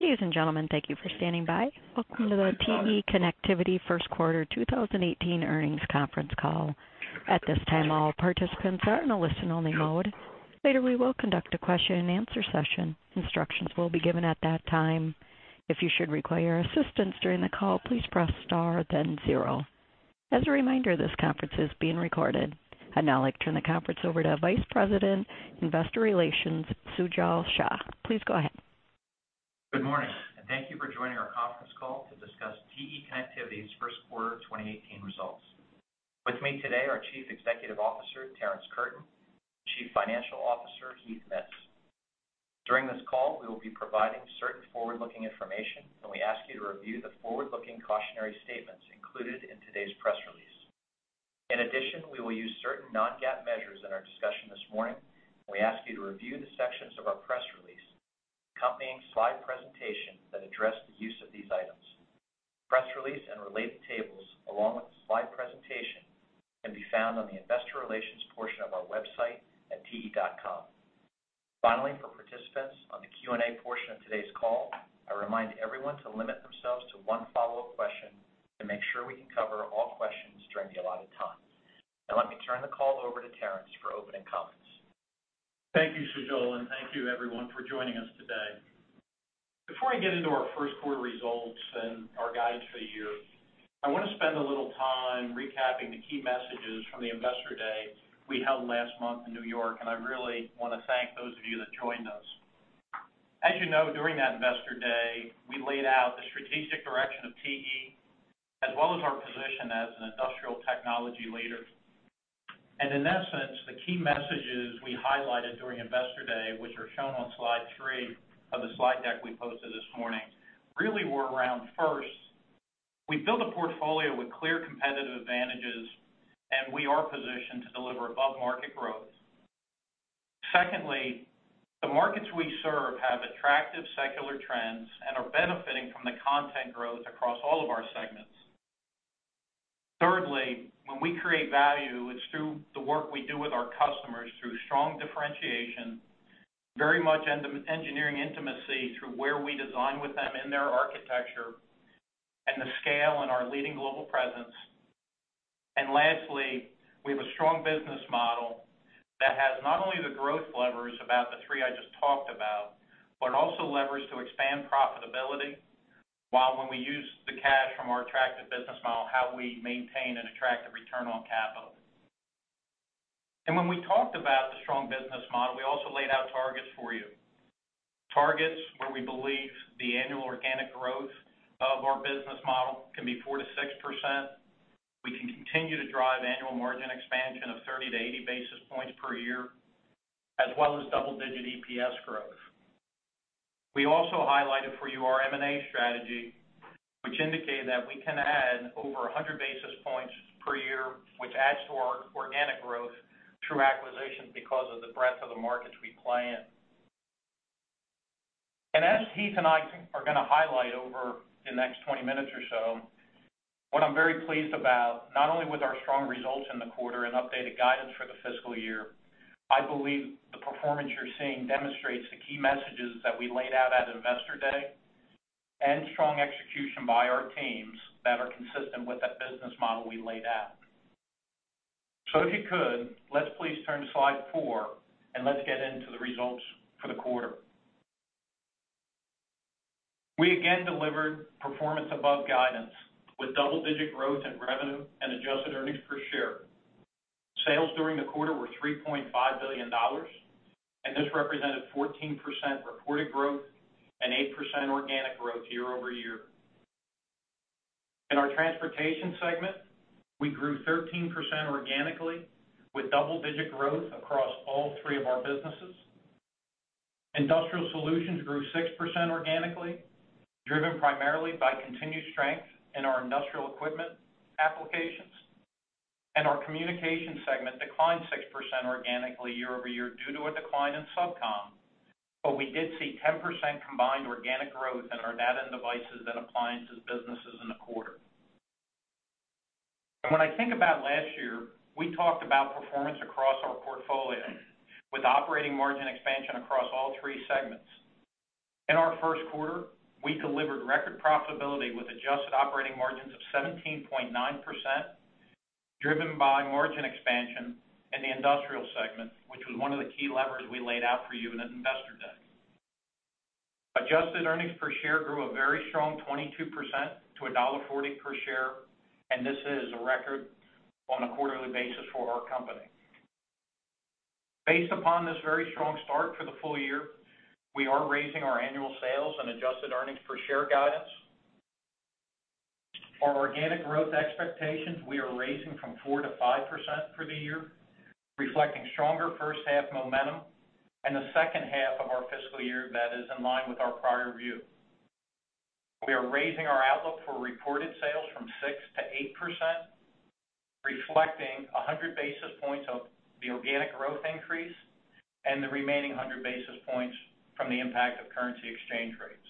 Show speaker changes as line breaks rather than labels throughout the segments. Ladies and gentlemen, thank you for standing by. Welcome to the TE Connectivity First Quarter 2018 Earnings Conference Call. At this time, all participants are in a listen-only mode. Later, we will conduct a question-and-answer session. Instructions will be given at that time. If you should require assistance during the call, please press star then zero. As a reminder, this conference is being recorded. I'd now like to turn the conference over to Vice President, Investor Relations, Sujal Shah. Please go ahead.
Good morning, and thank you for joining our conference call to discuss TE Connectivity's First Quarter 2018 results. With me today are Chief Executive Officer, Terrence Curtin, and Chief Financial Officer, Heath Mitts. During this call, we will be providing certain forward-looking information, and we ask you to review the forward-looking cautionary statements included in today's press release. In addition, we will use certain non-GAAP measures in our discussion this morning, and we ask you to review the sections of our press release accompanying slide presentations that address the use of these items. Press release and related tables, along with the slide presentation, can be found on the Investor Relations portion of our website at te.com. Finally, for participants on the Q&A portion of today's call, I remind everyone to limit themselves to one follow-up question to make sure we can cover all questions during the allotted time. Now, let me turn the call over to Terrence for opening comments.
Thank you, Sujal, and thank you, everyone, for joining us today. Before I get into our first quarter results and our guides for the year, I want to spend a little time recapping the key messages from the Investor Day we held last month in New York, and I really want to thank those of you that joined us. As you know, during that Investor Day, we laid out the strategic direction of TE, as well as our position as an industrial technology leader. In essence, the key messages we highlighted during Investor Day, which are shown on slide three of the slide deck we posted this morning, really were around first, we build a portfolio with clear competitive advantages, and we are positioned to deliver above-market growth. Secondly, the markets we serve have attractive secular trends and are benefiting from the content growth across all of our segments. Thirdly, when we create value, it's through the work we do with our customers, through strong differentiation, very much engineering intimacy through where we design with them in their architecture and the scale and our leading global presence. And lastly, we have a strong business model that has not only the growth levers about the three I just talked about, but also levers to expand profitability while we use the cash from our attractive business model, how we maintain an attractive return on capital. And when we talked about the strong business model, we also laid out targets for you. Targets where we believe the annual organic growth of our business model can be 4%-6%. We can continue to drive annual margin expansion of 30-80 basis points per year, as well as double-digit EPS growth. We also highlighted for you our M&A strategy, which indicated that we can add over 100 basis points per year, which adds to our organic growth through acquisitions because of the breadth of the markets we play in. As Heath and I are going to highlight over the next 20 minutes or so, what I'm very pleased about, not only with our strong results in the quarter and updated guidance for the fiscal year, I believe the performance you're seeing demonstrates the key messages that we laid out at Investor Day and strong execution by our teams that are consistent with that business model we laid out. If you could, let's please turn to slide four, and let's get into the results for the quarter. We again delivered performance above guidance with double-digit growth in revenue and adjusted earnings per share. Sales during the quarter were $3.5 billion, and this represented 14% reported growth and 8% organic growth year-over-year. In our transportation segment, we grew 13% organically with double-digit growth across all three of our businesses. Industrial solutions grew 6% organically, driven primarily by continued strength in our industrial equipment applications. Our communication segment declined 6% organically year-over-year due to a decline in SubCom, but we did see 10% combined organic growth in our data and devices and appliances businesses in the quarter. When I think about last year, we talked about performance across our portfolio with operating margin expansion across all three segments. In our first quarter, we delivered record profitability with adjusted operating margins of 17.9%, driven by margin expansion in the industrial segment, which was one of the key levers we laid out for you at Investor Day. Adjusted earnings per share grew a very strong 22% to $1.40 per share, and this is a record on a quarterly basis for our company. Based upon this very strong start for the full year, we are raising our annual sales and adjusted earnings per share guidance. Our organic growth expectations, we are raising from 4%-5% for the year, reflecting stronger first half momentum and the second half of our fiscal year that is in line with our prior view. We are raising our outlook for reported sales from 6%-8%, reflecting 100 basis points of the organic growth increase and the remaining 100 basis points from the impact of currency exchange rates.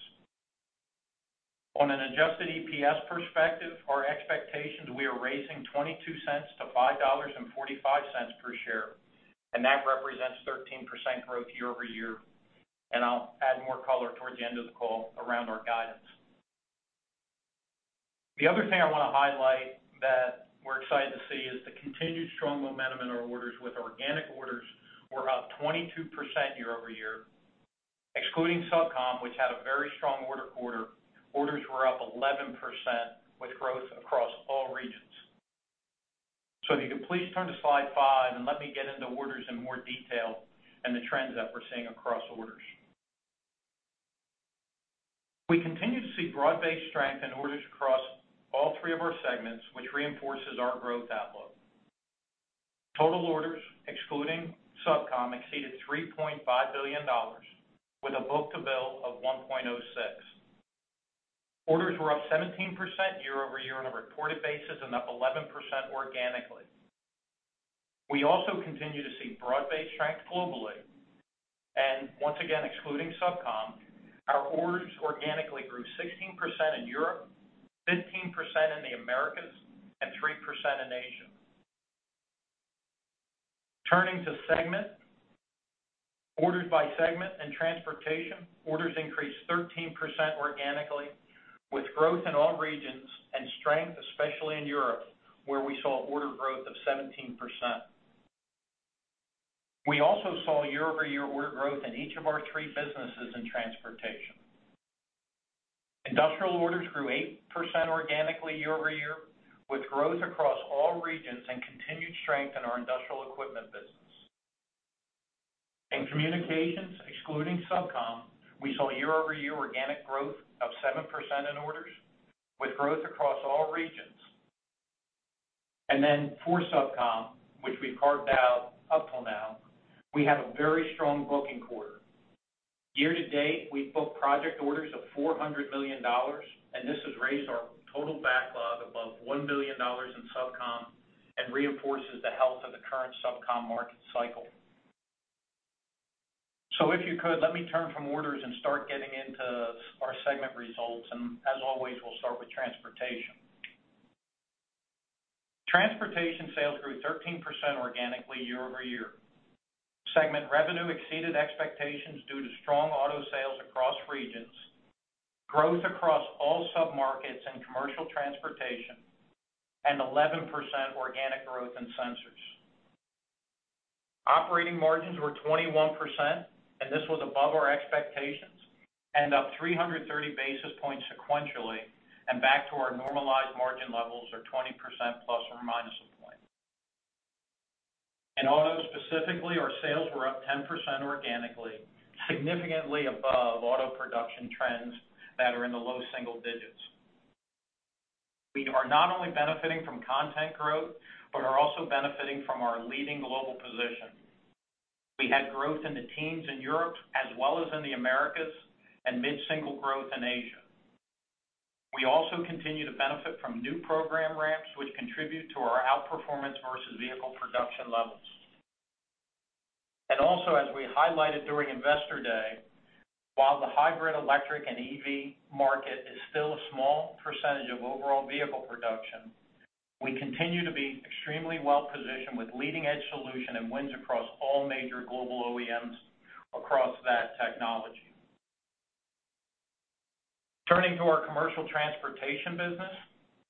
On an adjusted EPS perspective, our expectations, we are raising $0.22 to $5.45 per share, and that represents 13% growth year-over-year. I'll add more color towards the end of the call around our guidance. The other thing I want to highlight that we're excited to see is the continued strong momentum in our orders with organic orders were up 22% year-over-year. Excluding SubCom, which had a very strong order quarter, orders were up 11% with growth across all regions. If you could please turn to slide five and let me get into orders in more detail and the trends that we're seeing across orders. We continue to see broad-based strength in orders across all three of our segments, which reinforces our growth outlook. Total orders, excluding SubCom, exceeded $3.5 billion, with a book-to-bill of 1.06. Orders were up 17% year-over-year on a reported basis and up 11% organically. We also continue to see broad-based strength globally. And once again, excluding SubCom, our orders organically grew 16% in Europe, 15% in the Americas, and 3% in Asia. Turning to segments, orders by segment, and Transportation, orders increased 13% organically, with growth in all regions and strength, especially in Europe, where we saw order growth of 17%. We also saw year-over-year order growth in each of our three businesses in Transportation. Industrial orders grew 8% organically year-over-year, with growth across all regions and continued strength in our industrial equipment business. In communications, excluding SubCom, we saw year-over-year organic growth of 7% in orders, with growth across all regions. And then for SubCom, which we've carved out up till now, we had a very strong booking quarter. Year to date, we booked project orders of $400 million, and this has raised our total backlog above $1 billion in SubCom and reinforces the health of the current SubCom market cycle. So if you could, let me turn from orders and start getting into our segment results. And as always, we'll start with transportation. Transportation sales grew 13% organically year-over-year. Segment revenue exceeded expectations due to strong auto sales across regions, growth across all submarkets in commercial transportation, and 11% organic growth in sensors. Operating margins were 21%, and this was above our expectations and up 330 basis points sequentially and back to our normalized margin levels of 20% plus or minus a point. In auto specifically, our sales were up 10% organically, significantly above auto production trends that are in the low single digits. We are not only benefiting from content growth, but are also benefiting from our leading global position. We had growth in the teens in Europe as well as in the Americas and mid-single growth in Asia. We also continue to benefit from new program ramps, which contribute to our outperformance versus vehicle production levels. Also, as we highlighted during Investor Day, while the hybrid, electric, and EV market is still a small percentage of overall vehicle production, we continue to be extremely well positioned with leading-edge solution and wins across all major global OEMs across that technology. Turning to our commercial transportation business,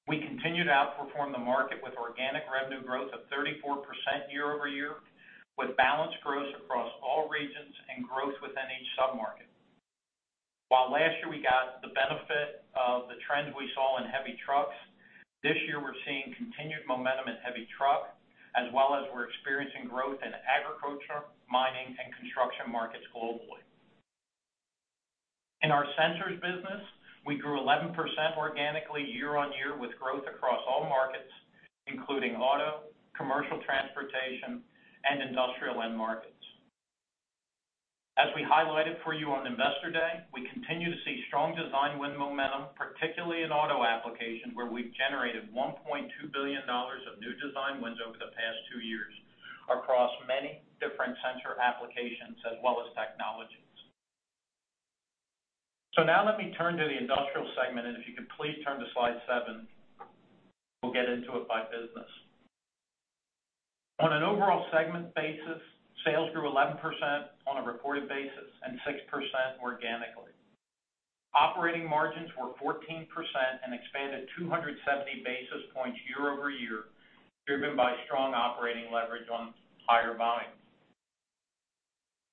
we continue to outperform the market with organic revenue growth of 34% year-over-year, with balanced growth across all regions and growth within each submarket. While last year we got the benefit of the trends we saw in heavy trucks, this year we're seeing continued momentum in heavy truck, as well as we're experiencing growth in agriculture, mining, and construction markets globally. In our sensors business, we grew 11% organically year-over-year with growth across all markets, including auto, commercial transportation, and industrial end markets. As we highlighted for you on Investor Day, we continue to see strong design win momentum, particularly in auto applications, where we've generated $1.2 billion of new design wins over the past two years across many different sensor applications as well as technologies. Now let me turn to the industrial segment, and if you could please turn to slide seven, we'll get into it by business. On an overall segment basis, sales grew 11% on a reported basis and 6% organically. Operating margins were 14% and expanded 270 basis points year-over-year, driven by strong operating leverage on higher volume.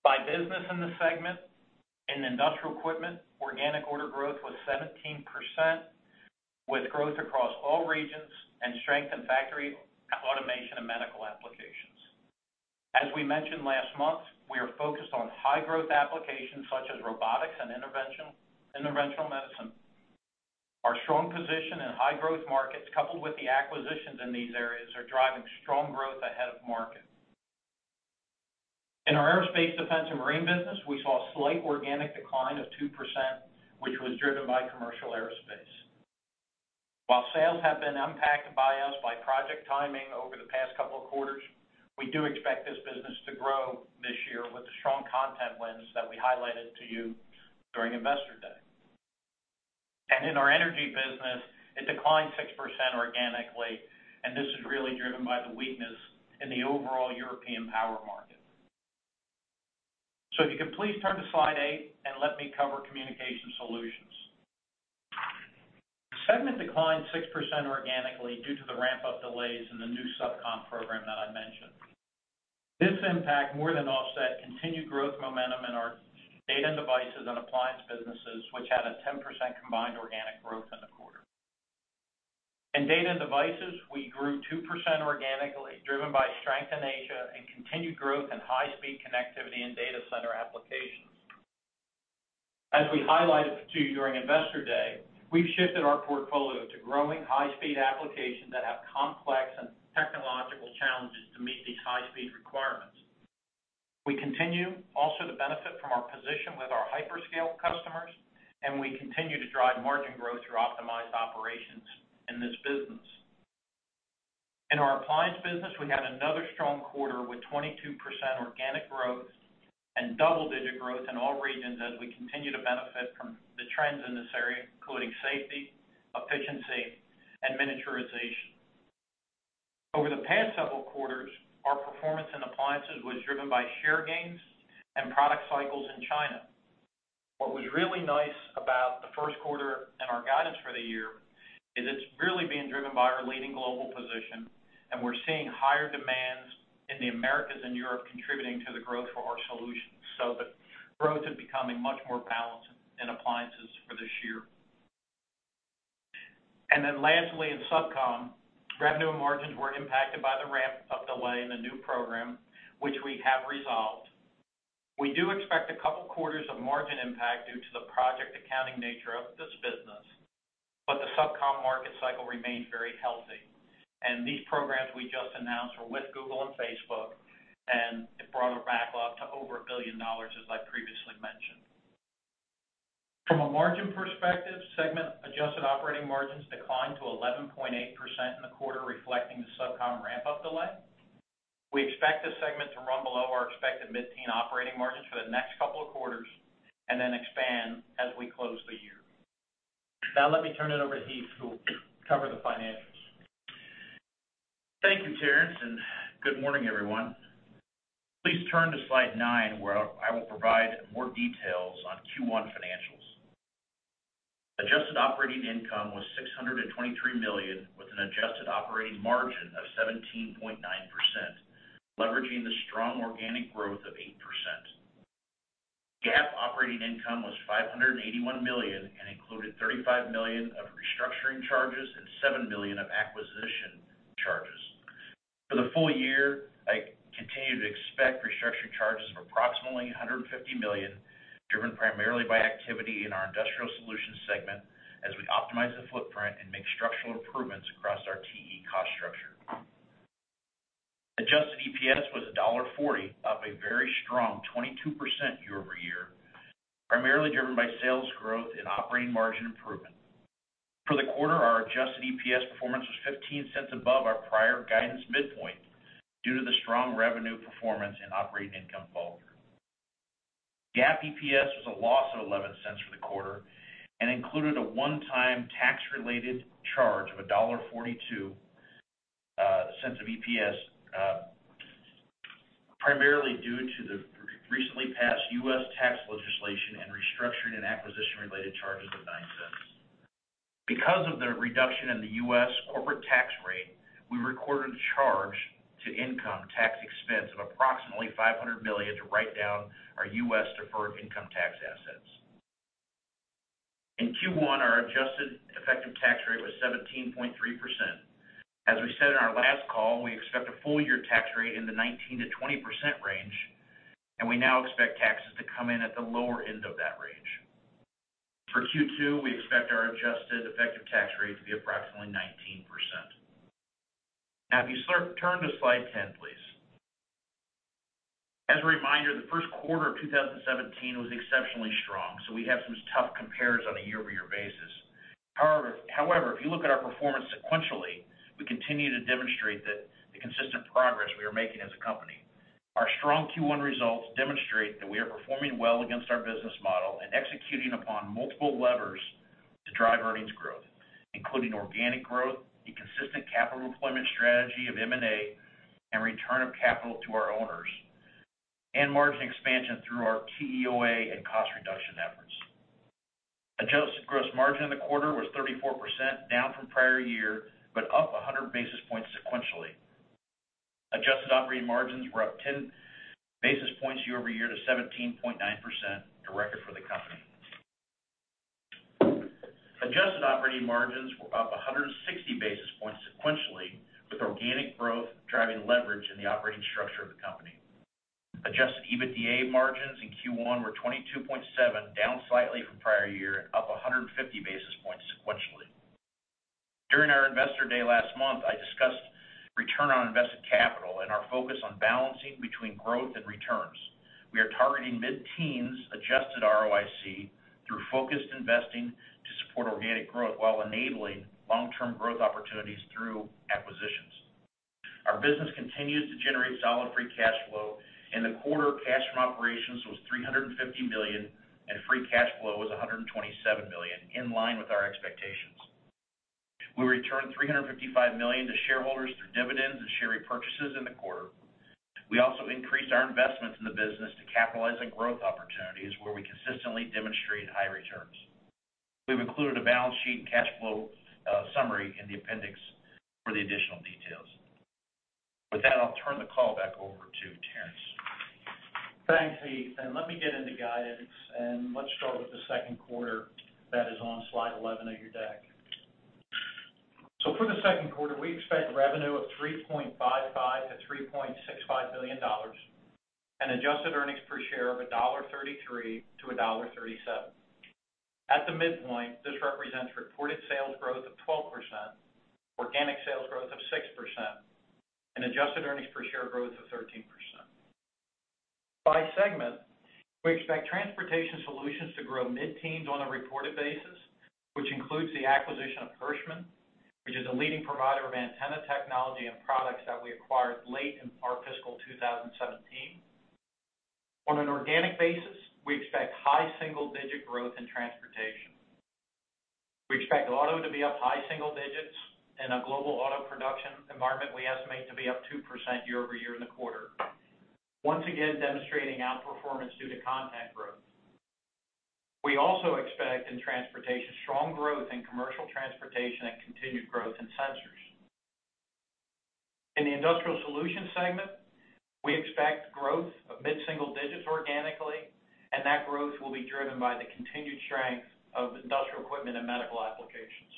By business in the segment, in industrial equipment, organic order growth was 17%, with growth across all regions and strength in factory automation and medical applications. As we mentioned last month, we are focused on high-growth applications such as robotics and interventional medicine. Our strong position in high-growth markets, coupled with the acquisitions in these areas, are driving strong growth ahead of market. In our aerospace, defense, and marine business, we saw a slight organic decline of 2%, which was driven by commercial aerospace. While sales have been impacted by us by project timing over the past couple of quarters, we do expect this business to grow this year with the strong content wins that we highlighted to you during Investor Day. And in our energy business, it declined 6% organically, and this is really driven by the weakness in the overall European power market. So if you could please turn to slide eight and let me cover communication solutions. Segment declined 6% organically due to the ramp-up delays in the new SubCom program that I mentioned. This impact more than offset continued growth momentum in our data and devices and appliance businesses, which had a 10% combined organic growth in the quarter. In data and devices, we grew 2% organically, driven by strength in Asia and continued growth in high-speed connectivity and data center applications. As we highlighted to you during Investor Day, we've shifted our portfolio to growing high-speed applications that have complex and technological challenges to meet these high-speed requirements. We continue also to benefit from our position with our hyperscale customers, and we continue to drive margin growth through optimized operations in this business. In our appliance business, we had another strong quarter with 22% organic growth and double-digit growth in all regions as we continue to benefit from the trends in this area, including safety, efficiency, and miniaturization. Over the past several quarters, our performance in appliances was driven by share gains and product cycles in China. What was really nice about the first quarter and our guidance for the year is it's really being driven by our leading global position, and we're seeing higher demands in the Americas and Europe contributing to the growth for our solutions. So the growth is becoming much more balanced in appliances for this year. And then lastly, in SubCom, revenue and margins were impacted by the ramp-up delay in a new program, which we have resolved. We do expect a couple of quarters of margin impact due to the project accounting nature of this business, but the SubCom market cycle remains very healthy. And these programs we just announced were with Google and Facebook, and it brought our backlog to over $1 billion, as I previously mentioned. From a margin perspective, segment adjusted operating margins declined to 11.8% in the quarter, reflecting the SubCom ramp-up delay. We expect this segment to run below our expected mid-teen operating margins for the next couple of quarters and then expand as we close the year. Now let me turn it over to Heath to cover the financials.
Thank you, Terrence, and good morning, everyone. Please turn to slide nine, where I will provide more details on Q1 financials. Adjusted operating income was $623 million, with an adjusted operating margin of 17.9%, leveraging the strong organic growth of 8%. GAAP operating income was $581 million and included $35 million of restructuring charges and $7 million of acquisition charges. For the full year, I continue to expect restructuring charges of approximately $150 million, driven primarily by activity in our industrial solutions segment as we optimize the footprint and make structural improvements across our TE cost structure. Adjusted EPS was $1.40, up a very strong 22% year-over-year, primarily driven by sales growth and operating margin improvement. For the quarter, our adjusted EPS performance was $0.15 above our prior guidance midpoint due to the strong revenue performance and operating income bulk. GAAP EPS was a loss of $0.11 for the quarter and included a one-time tax-related charge of $1.42 of EPS, primarily due to the recently passed U.S. tax legislation and restructuring and acquisition-related charges of $0.09. Because of the reduction in the U.S. corporate tax rate, we recorded a charge to income tax expense of approximately $500 million to write down our U.S. deferred income tax assets. In Q1, our adjusted effective tax rate was 17.3%. As we said in our last call, we expect a full-year tax rate in the 19%-20% range, and we now expect taxes to come in at the lower end of that range. For Q2, we expect our adjusted effective tax rate to be approximately 19%. Now, if you turn to slide 10, please. As a reminder, the first quarter of 2017 was exceptionally strong, so we have some tough comparisons on a year-over-year basis. However, if you look at our performance sequentially, we continue to demonstrate the consistent progress we are making as a company. Our strong Q1 results demonstrate that we are performing well against our business model and executing upon multiple levers to drive earnings growth, including organic growth, a consistent capital employment strategy of M&A, and return of capital to our owners, and margin expansion through our TEOA and cost reduction efforts. Adjusted gross margin in the quarter was 34%, down from prior year, but up 100 basis points sequentially. Adjusted operating margins were up 10 basis points year-over-year to 17.9%, a record for the company. Adjusted operating margins were up 160 basis points sequentially, with organic growth driving leverage in the operating structure of the company. Adjusted EBITDA margins in Q1 were 22.7, down slightly from prior year, up 150 basis points sequentially. During our Investor Day last month, I discussed return on invested capital and our focus on balancing between growth and returns. We are targeting mid-teens adjusted ROIC through focused investing to support organic growth while enabling long-term growth opportunities through acquisitions. Our business continues to generate solid free cash flow. In the quarter, cash from operations was $350 million, and free cash flow was $127 million, in line with our expectations. We returned $355 million to shareholders through dividends and share repurchases in the quarter. We also increased our investments in the business to capitalize on growth opportunities, where we consistently demonstrate high returns. We've included a balance sheet and cash flow summary in the appendix for the additional details. With that, I'll turn the call back over to Terrence.
Thanks, Heath. And let me get into guidance, and let's start with the second quarter that is on slide 11 of your deck. So for the second quarter, we expect revenue of $3.55-$3.65 billion and adjusted earnings per share of $1.33-$1.37. At the midpoint, this represents reported sales growth of 12%, organic sales growth of 6%, and adjusted earnings per share growth of 13%. By segment, we expect transportation solutions to grow mid-teens on a reported basis, which includes the acquisition of Hirschmann, which is a leading provider of antenna technology and products that we acquired late in our fiscal 2017. On an organic basis, we expect high single-digit growth in transportation. We expect auto to be up high single digits, and our global auto production environment we estimate to be up 2% year-over-year in the quarter, once again demonstrating outperformance due to content growth. We also expect in transportation strong growth in commercial transportation and continued growth in sensors. In the industrial solutions segment, we expect growth of mid-single digits organically, and that growth will be driven by the continued strength of industrial equipment and medical applications.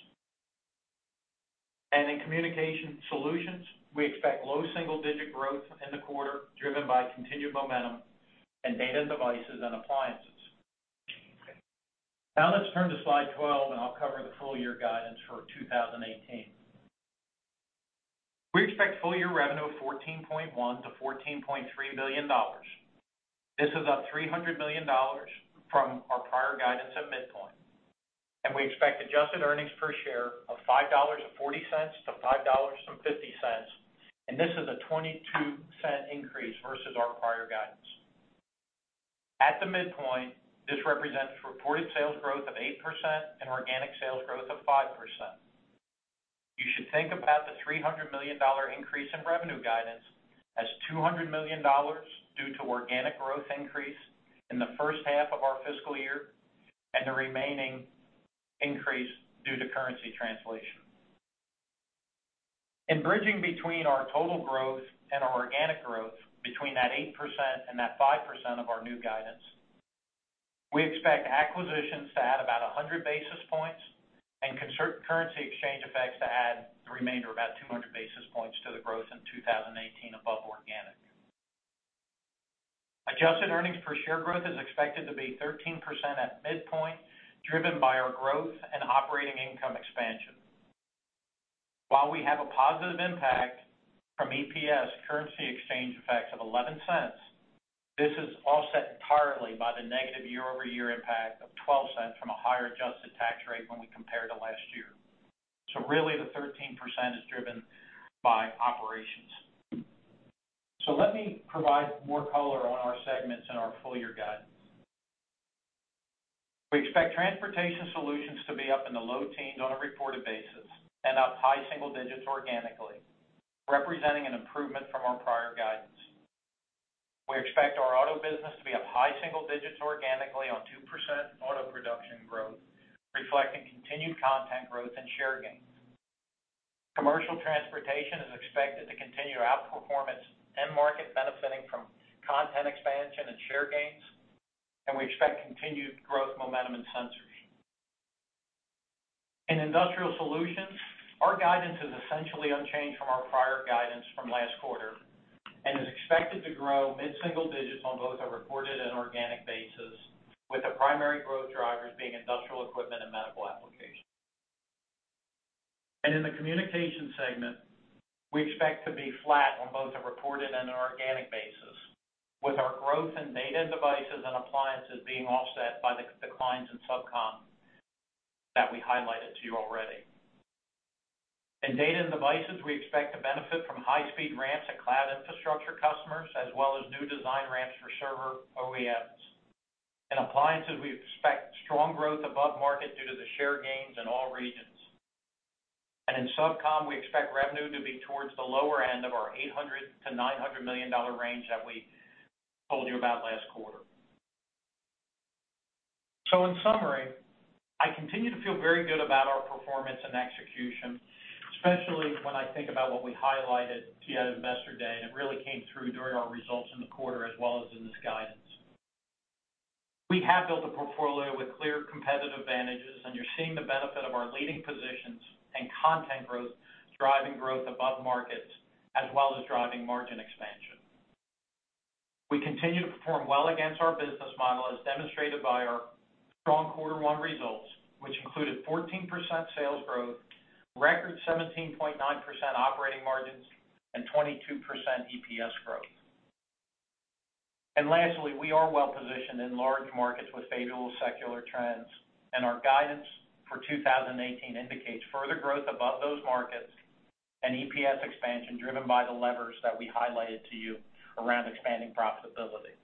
In communication solutions, we expect low single-digit growth in the quarter, driven by continued momentum in data and devices and appliances. Now let's turn to slide 12, and I'll cover the full-year guidance for 2018. We expect full-year revenue of $14.1-$14.3 billion. This is up $300 million from our prior guidance at midpoint. We expect adjusted earnings per share of $5.40-$5.50, and this is a $0.22 increase versus our prior guidance. At the midpoint, this represents reported sales growth of 8% and organic sales growth of 5%. You should think about the $300 million increase in revenue guidance as $200 million due to organic growth increase in the first half of our fiscal year and the remaining increase due to currency translation. In bridging between our total growth and our organic growth between that 8% and that 5% of our new guidance, we expect acquisitions to add about 100 basis points and concerted currency exchange effects to add the remainder of about 200 basis points to the growth in 2018 above organic. Adjusted earnings per share growth is expected to be 13% at midpoint, driven by our growth and operating income expansion. While we have a positive impact from EPS currency exchange effects of $0.11, this is offset entirely by the negative year-over-year impact of $0.12 from a higher adjusted tax rate when we compare to last year. So really, the 13% is driven by operations. So let me provide more color on our segments in our full-year guidance. We expect transportation solutions to be up in the low teens on a reported basis and up high single digits organically, representing an improvement from our prior guidance. We expect our auto business to be up high single digits organically on 2% auto production growth, reflecting continued content growth and share gains. Commercial transportation is expected to continue outperformance and market benefiting from content expansion and share gains, and we expect continued growth momentum in sensors. In industrial solutions, our guidance is essentially unchanged from our prior guidance from last quarter and is expected to grow mid-single digits on both a reported and organic basis, with the primary growth drivers being industrial equipment and medical applications. In the communication segment, we expect to be flat on both a reported and an organic basis, with our growth in data and devices and appliances being offset by the declines in SubCom that we highlighted to you already. In data and devices, we expect to benefit from high-speed ramps and cloud infrastructure customers, as well as new design ramps for server OEMs. In appliances, we expect strong growth above market due to the share gains in all regions. In SubCom, we expect revenue to be towards the lower end of our $800 million-$900 million range that we told you about last quarter. In summary, I continue to feel very good about our performance and execution, especially when I think about what we highlighted here at Investor Day, and it really came through during our results in the quarter as well as in this guidance. We have built a portfolio with clear competitive advantages, and you're seeing the benefit of our leading positions and content growth driving growth above markets, as well as driving margin expansion. We continue to perform well against our business model, as demonstrated by our strong quarter one results, which included 14% sales growth, record 17.9% operating margins, and 22% EPS growth. And lastly, we are well positioned in large markets with favorable secular trends, and our guidance for 2018 indicates further growth above those markets and EPS expansion driven by the levers that we highlighted to you around expanding profitability.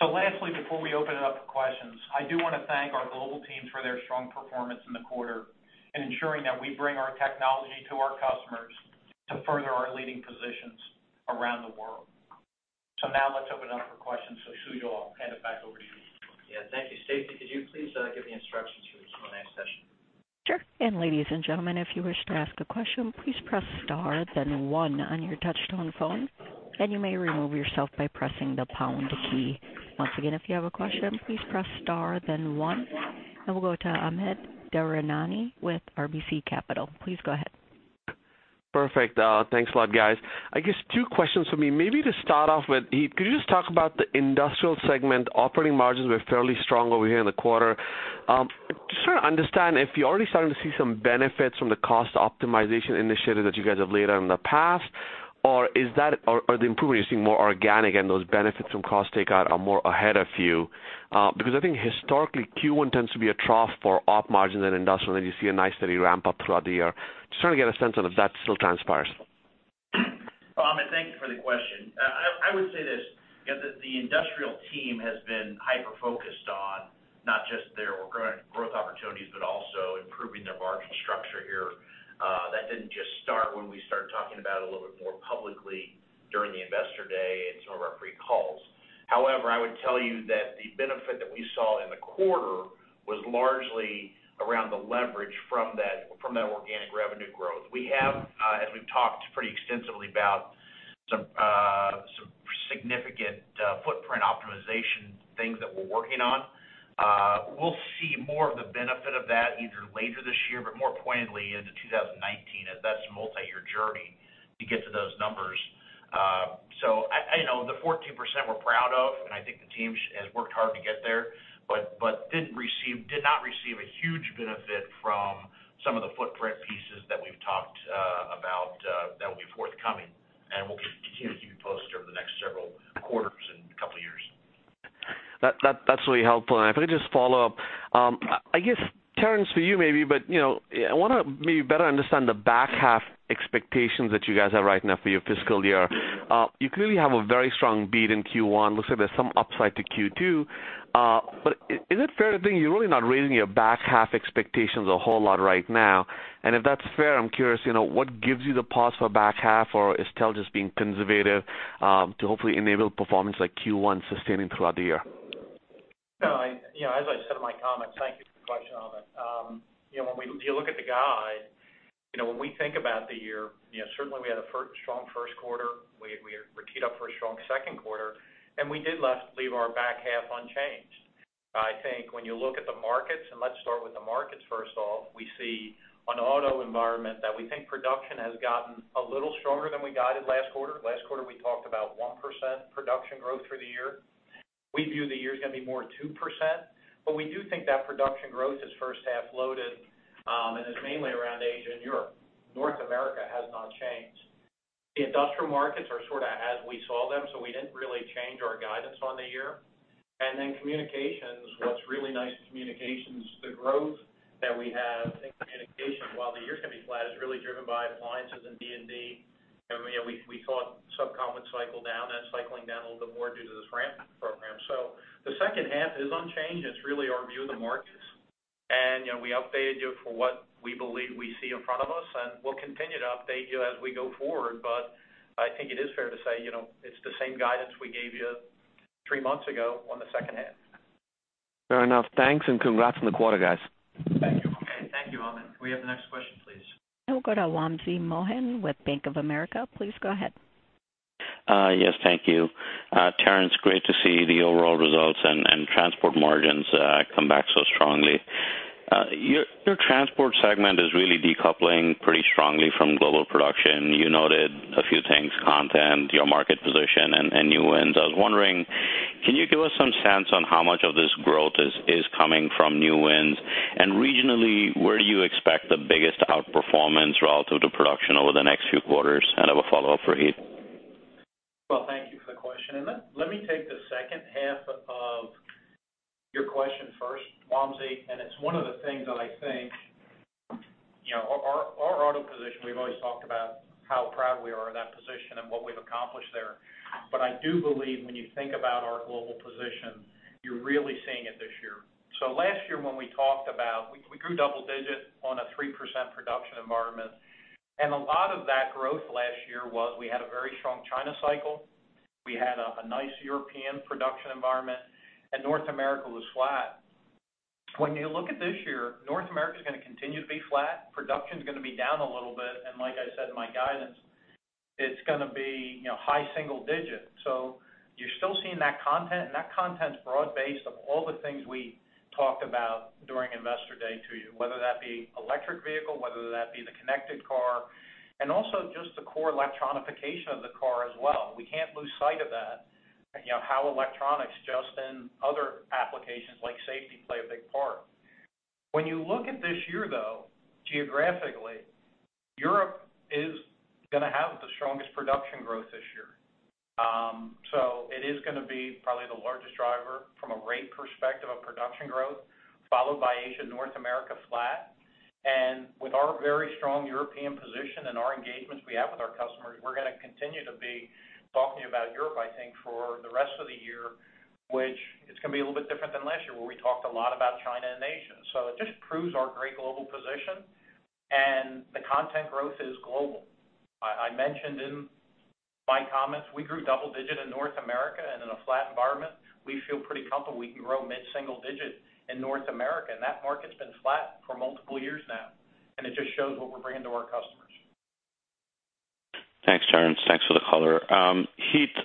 So lastly, before we open it up for questions, I do want to thank our global teams for their strong performance in the quarter and ensuring that we bring our technology to our customers to further our leading positions around the world. So now let's open it up for questions, so Sujal, I'll hand it back over to you.
Yeah, thank you. Stacy, could you please give the instructions for the Q&A session?
Sure. And ladies and gentlemen, if you wish to ask a question, please press star, then one on your touch-tone phone, and you may remove yourself by pressing the pound key. Once again, if you have a question, please press star, then one, and we'll go to Amit Daryanani with RBC Capital. Please go ahead.
Perfect. Thanks a lot, guys. I guess two questions for me. Maybe to start off with, Heath, could you just talk about the industrial segment? Operating margins were fairly strong over here in the quarter. Sure understand if you're already starting to see some benefits from the cost optimization initiative that you guys have laid out in the past, or is that, or the improvement you're seeing more organic and those benefits from cost takeout are more ahead of you? Because I think historically, Q1 tends to be a trough for op margins and industrial, and you see a nice steady ramp up throughout the year. Just trying to get a sense on if that still transpires.
Well, Amit, thank you for the question. I would say this. The industrial team has been hyper-focused on not just their growth opportunities, but also improving their margin structure here. That didn't just start when we started talking about it a little bit more publicly during the Investor Day and some of our pre-calls. However, I would tell you that the benefit that we saw in the quarter was largely around the leverage from that organic revenue growth. We have, as we've talked pretty extensively about some significant footprint optimization things that we're working on. We'll see more of the benefit of that either later this year, but more pointedly into 2019, as that's a multi-year journey to get to those numbers. So the 14% we're proud of, and I think the team has worked hard to get there, but did not receive a huge benefit from some of the footprint pieces that we've talked about that will be forthcoming, and we'll continue to keep you posted over the next several quarters and couple of years.
That's really helpful. And if I could just follow up, I guess, Terrence, for you maybe, but I want to maybe better understand the back half expectations that you guys have right now for your fiscal year. You clearly have a very strong beat in Q1. Looks like there's some upside to Q2. But is it fair to think you're really not raising your back half expectations a whole lot right now? And if that's fair, I'm curious, what gives you the pause for back half, or is TE just being conservative to hopefully enable performance like Q1 sustaining throughout the year?
No, as I said in my comments, thank you for the question, Amit. When you look at the guide, when we think about the year, certainly we had a strong first quarter. We had ramp up for a strong second quarter, and we did leave our back half unchanged. I think when you look at the markets, and let's start with the markets first off, we see an auto environment that we think production has gotten a little stronger than we guided last quarter. Last quarter, we talked about 1% production growth for the year. We view the year is going to be more 2%, but we do think that production growth is first half loaded and is mainly around Asia and Europe. North America has not changed. The industrial markets are sort of as we saw them, so we didn't really change our guidance on the year. And then communications, what's really nice in communications, the growth that we have in communications while the year is going to be flat is really driven by appliances and D&D. We saw SubCom cycle down and cycling down a little bit more due to this ramp program. So the second half is unchanged. It's really our view of the markets, and we updated you for what we believe we see in front of us, and we'll continue to update you as we go forward. But I think it is fair to say it's the same guidance we gave you three months ago on the second half.
Fair enough. Thanks, and congrats on the quarter, guys.
Thank you. Thank you, Amit. Can we have the next question, please?
I'll go to Wamsi Mohan with Bank of America. Please go ahead.
Yes, thank you. Terrence, great to see the overall results and transport margins come back so strongly. Your transport segment is really decoupling pretty strongly from global production. You noted a few things: content, your market position, and new wins. I was wondering, can you give us some sense on how much of this growth is coming from new wins? And regionally, where do you expect the biggest outperformance relative to production over the next few quarters? And I have a follow-up for Heath.
Well, thank you for the question. And let me take the second half of your question first, Wamsi, and it's one of the things that I think our auto position. We've always talked about how proud we are of that position and what we've accomplished there. But I do believe when you think about our global position, you're really seeing it this year. So last year when we talked about, we grew double digits on a 3% production environment, and a lot of that growth last year was we had a very strong China cycle. We had a nice European production environment, and North America was flat. When you look at this year, North America is going to continue to be flat. Production is going to be down a little bit, and like I said in my guidance, it's going to be high single digits. So you're still seeing that content, and that content is broad-based of all the things we talked about during Investor Day to you, whether that be electric vehicle, whether that be the connected car, and also just the core electronification of the car as well. We can't lose sight of that, how electronics just in other applications like safety play a big part. When you look at this year, though, geographically, Europe is going to have the strongest production growth this year. So it is going to be probably the largest driver from a rate perspective of production growth, followed by Asia and North America flat. And with our very strong European position and our engagements we have with our customers, we're going to continue to be talking about Europe, I think, for the rest of the year, which is going to be a little bit different than last year where we talked a lot about China and Asia. So it just proves our great global position, and the content growth is global. I mentioned in my comments, we grew double-digit in North America, and in a flat environment, we feel pretty comfortable. We can grow mid-single-digit in North America, and that market's been flat for multiple years now, and it just shows what we're bringing to our customers.
Thanks, Terrence. Thanks for the color. Heath,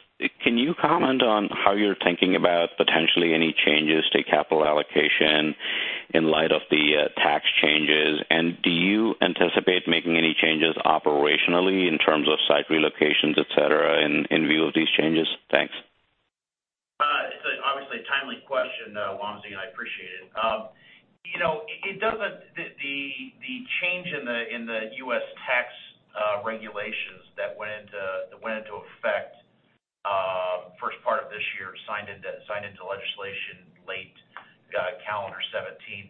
can you comment on how you're thinking about potentially any changes to capital allocation in light of the tax changes? And do you anticipate making any changes operationally in terms of site relocations, etc., in view of these changes? Thanks.
It's obviously a timely question, Wamsi, and I appreciate it. It doesn't. The change in the U.S. tax regulations that went into effect first part of this year, signed into legislation late calendar 2017,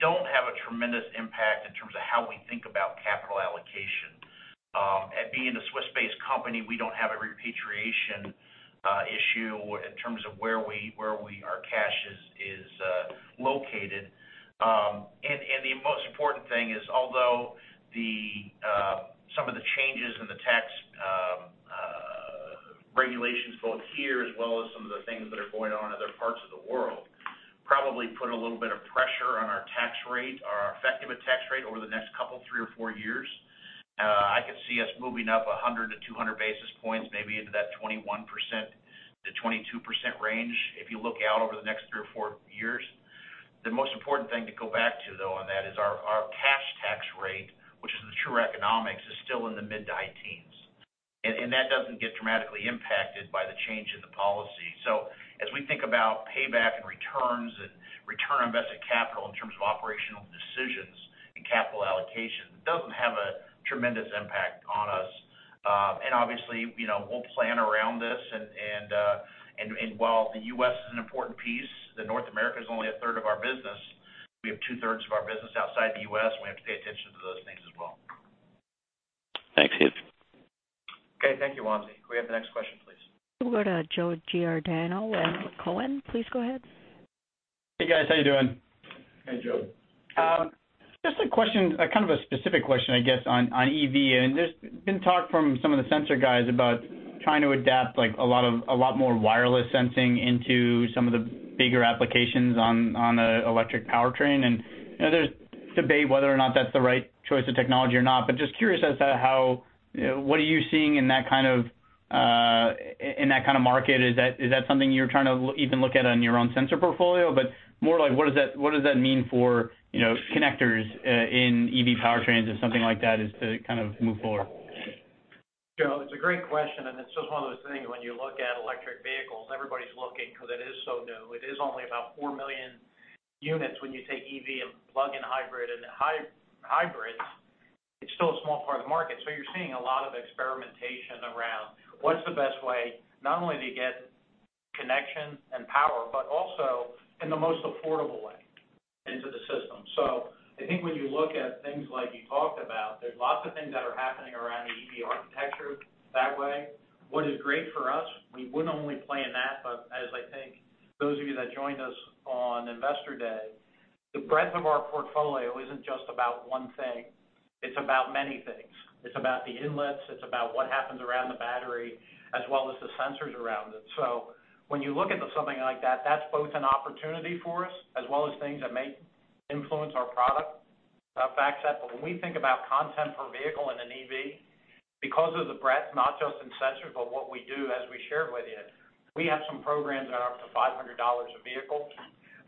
don't have a tremendous impact in terms of how we think about capital allocation. At being a Swiss-based company, we don't have a repatriation issue in terms of where our cash is located. The most important thing is, although some of the changes in the tax regulations, both here as well as some of the things that are going on in other parts of the world, probably put a little bit of pressure on our tax rate, our effective tax rate over the next couple, 3 or 4 years, I could see us moving up 100-200 basis points, maybe into that 21%-22% range if you look out over the next 3 or 4 years. The most important thing to go back to, though, on that is our cash tax rate, which is the true economics, is still in the mid-19s, and that doesn't get dramatically impacted by the change in the policy. So as we think about payback and returns and return on invested capital in terms of operational decisions and capital allocation, it doesn't have a tremendous impact on us. And obviously, we'll plan around this. And while the U.S. is an important piece, North America is only a third of our business. We have two-thirds of our business outside the U.S., and we have to pay attention to those things as well.
Thanks, Heath.
Okay, thank you, Wamsi. Can we have the next question, please?
We'll go to Joe Giordano and Cowen. Please go ahead.
Hey, guys. How you doing?
Hey, Joe.
Just a question, kind of a specific question, I guess, on EV. And there's been talk from some of the sensor guys about trying to adapt a lot more wireless sensing into some of the bigger applications on the electric powertrain. There's debate whether or not that's the right choice of technology or not, but just curious as to how—what are you seeing in that kind of market? Is that something you're trying to even look at on your own sensor portfolio? But more like, what does that mean for connectors in EV powertrains or something like that as to kind of move forward?
Joe, it's a great question, and it's just one of those things when you look at electric vehicles, everybody's looking because it is so new. It is only about 4 million units when you take EV and plug-in hybrid, and hybrids, it's still a small part of the market. So you're seeing a lot of experimentation around what's the best way, not only to get connection and power, but also in the most affordable way into the system. So I think when you look at things like you talked about, there's lots of things that are happening around the EV architecture that way. What is great for us? We wouldn't only play in that, but as I think those of you that joined us on Investor Day, the breadth of our portfolio isn't just about one thing. It's about many things. It's about the inlets. It's about what happens around the battery as well as the sensors around it. So when you look at something like that, that's both an opportunity for us as well as things that may influence our product facts. But when we think about content per vehicle in an EV, because of the breadth, not just in sensors, but what we do, as we shared with you, we have some programs that are up to $500 a vehicle,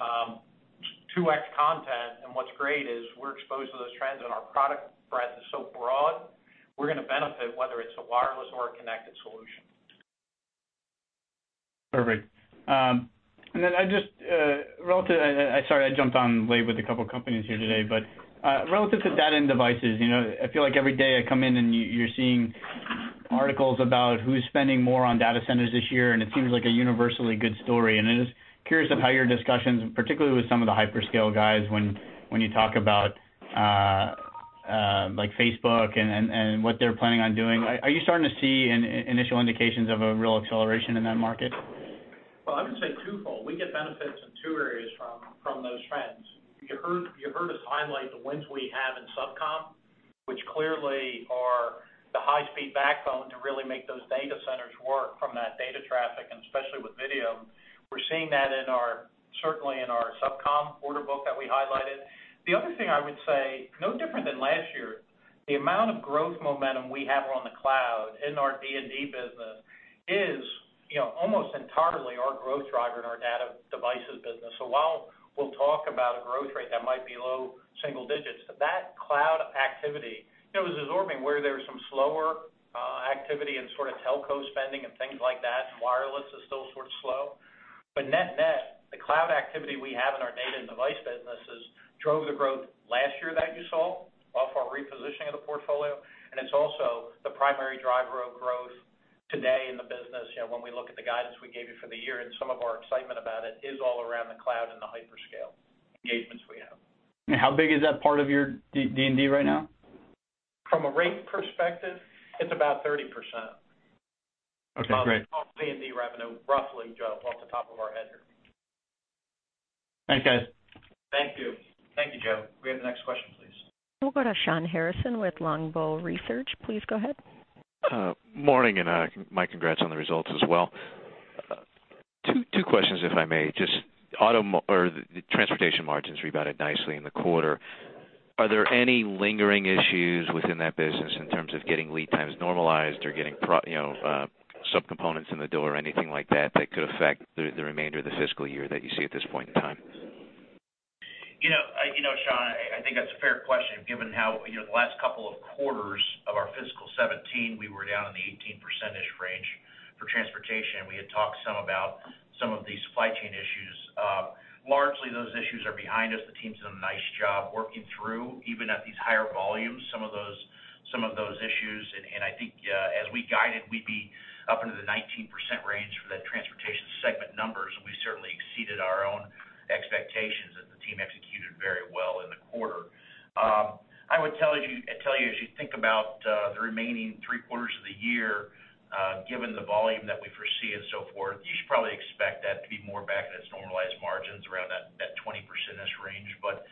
2X content. And what's great is we're exposed to those trends, and our product breadth is so broad, we're going to benefit whether it's a wireless or a connected solution.
Perfect. And then I just, sorry, I jumped on late with a couple of companies here today, but relative to data and devices, I feel like every day I come in and you're seeing articles about who's spending more on data centers this year, and it seems like a universally good story. And I'm just curious of how your discussions, particularly with some of the hyperscale guys, when you talk about Facebook and what they're planning on doing. Are you starting to see initial indications of a real acceleration in that market?
Well, I would say twofold. We get benefits in two areas from those trends. You heard us highlight the wins we have in SubCom, which clearly are the high-speed backbone to really make those data centers work from that data traffic, and especially with video. We're seeing that certainly in our SubCom order book that we highlighted. The other thing I would say, no different than last year, the amount of growth momentum we have on the cloud in our D&D business is almost entirely our growth driver in our data devices business. So while we'll talk about a growth rate that might be low single digits, that cloud activity was absorbing where there was some slower activity in sort of telco spending and things like that, and wireless is still sort of slow. But net-net, the cloud activity we have in our data and device businesses drove the growth last year that you saw off our repositioning of the portfolio, and it's also the primary driver of growth today in the business. When we look at the guidance we gave you for the year, and some of our excitement about it is all around the cloud and the hyperscale engagements we have.
And how big is that part of your D&D right now?
From a rate perspective, it's about 30%. That's roughly D&D revenue, roughly, Joe, off the top of our head here.
Thanks, guys.
Thank you. Thank you, Joe. We have the next question, please.
We'll go to Shawn Harrison with Longbow Research. Please go ahead.
Morning, and my congrats on the results as well. Two questions, if I may. Just auto or transportation margins rebounded nicely in the quarter. Are there any lingering issues within that business in terms of getting lead times normalized or getting subcomponents in the door or anything like that that could affect the remainder of the fiscal year that you see at this point in time?
You know, Shawn, I think that's a fair question given how the last couple of quarters of our fiscal 2017, we were down in the 18%-ish range for transportation. We had talked some about some of the supply chain issues. Largely, those issues are behind us. The team's done a nice job working through, even at these higher volumes, some of those issues. And I think as we guided, we'd be up into the 19% range for that transportation segment numbers, and we certainly exceeded our own expectations that the team executed very well in the quarter. I would tell you, as you think about the remaining three quarters of the year, given the volume that we foresee and so forth, you should probably expect that to be more back at its normalized margins around that 20%-ish range. But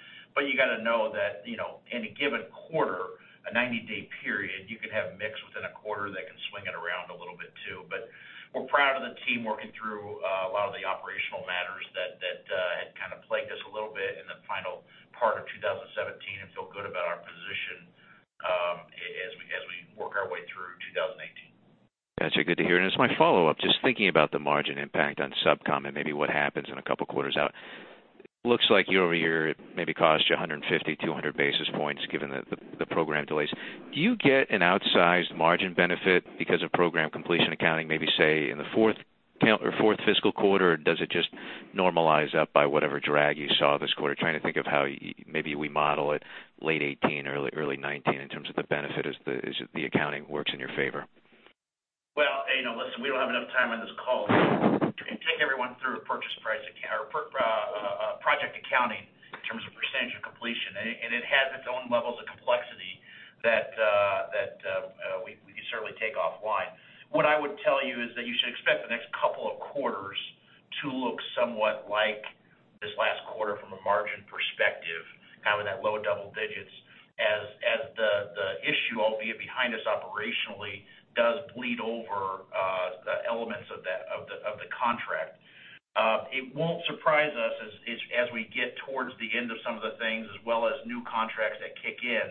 you got to know that in a given quarter, a 90-day period, you can have mix within a quarter that can swing it around a little bit too. But we're proud of the team working through a lot of the operational matters that had kind of plagued us a little bit in the final part of 2017 and feel good about our position as we work our way through 2018.
That's good to hear. And it's my follow-up, just thinking about the margin impact on SubCom and maybe what happens in a couple of quarters out. It looks like your year maybe cost you 150-200 basis points given the program delays. Do you get an outsized margin benefit because of program completion accounting, maybe say in the fourth fiscal quarter, or does it just normalize up by whatever drag you saw this quarter? Trying to think of how maybe we model it late 2018 or early 2019 in terms of the benefit as the accounting works in your favor.
Well, listen, we don't have enough time on this call to take everyone through a project accounting in terms of percentage of completion, and it has its own levels of complexity that we can certainly take offline. What I would tell you is that you should expect the next couple of quarters to look somewhat like this last quarter from a margin perspective, kind of that low double digits, as the issue, albeit behind us operationally, does bleed over the elements of the contract. It won't surprise us as we get towards the end of some of the things, as well as new contracts that kick in,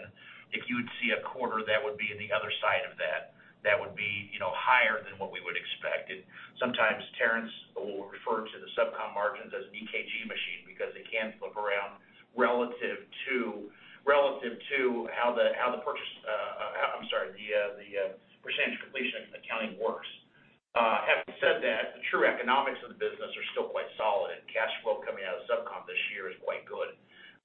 if you would see a quarter that would be on the other side of that, that would be higher than what we would expect. And sometimes Terrence will refer to the SubCom margins as an EKG machine because it can flip around relative to how the purchase—I'm sorry, the percentage completion accounting works. Having said that, the true economics of the business are still quite solid, and cash flow coming out of SubCom this year is quite good.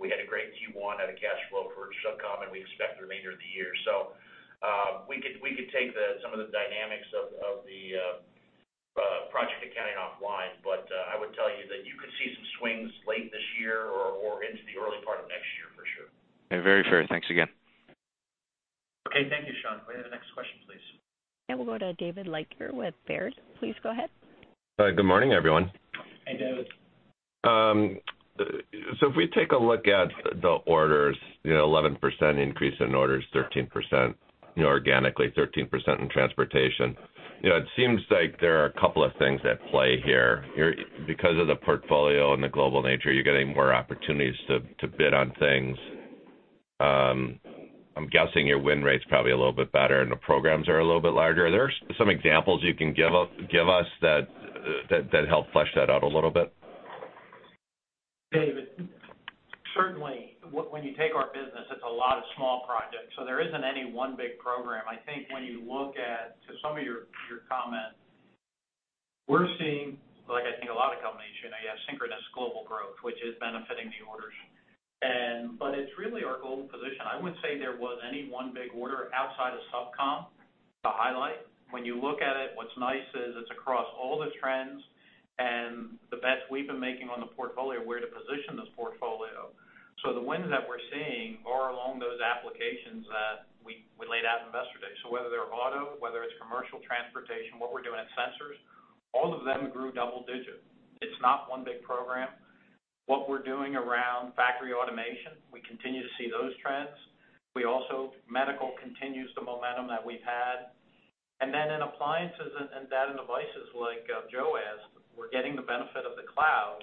We had a great Q1 at a cash flow for SubCom, and we expect the remainder of the year. So we could take some of the dynamics of the project accounting offline, but I would tell you that you could see some swings late this year or into the early part of next year for sure.
Very fair. Thanks again.
Okay, thank you, Shawn. Go ahead to the next question, please.
And we'll go to David Leiker with Baird. Please go ahead.
Good morning, everyone. Hey, David. So if we take a look at the orders, 11% increase in orders, 13% organically, 13% in transportation. It seems like there are a couple of things at play here. Because of the portfolio and the global nature, you're getting more opportunities to bid on things. I'm guessing your win rate's probably a little bit better, and the programs are a little bit larger. Are there some examples you can give us that help flesh that out a little bit?
David, certainly, when you take our business, it's a lot of small projects. So there isn't any one big program. I think when you look at some of your comments, we're seeing, like I think a lot of companies, you have synchronous global growth, which is benefiting the orders. But it's really our global position. I wouldn't say there was any one big order outside of SubCom to highlight. When you look at it, what's nice is it's across all the trends and the bets we've been making on the portfolio, where to position this portfolio. So the wins that we're seeing are along those applications that we laid out on Investor Day. So whether they're auto, whether it's commercial transportation, what we're doing at sensors, all of them grew double digits. It's not one big program. What we're doing around factory automation, we continue to see those trends. Medical continues the momentum that we've had. And then in appliances and data and devices, like Joe asked, we're getting the benefit of the cloud,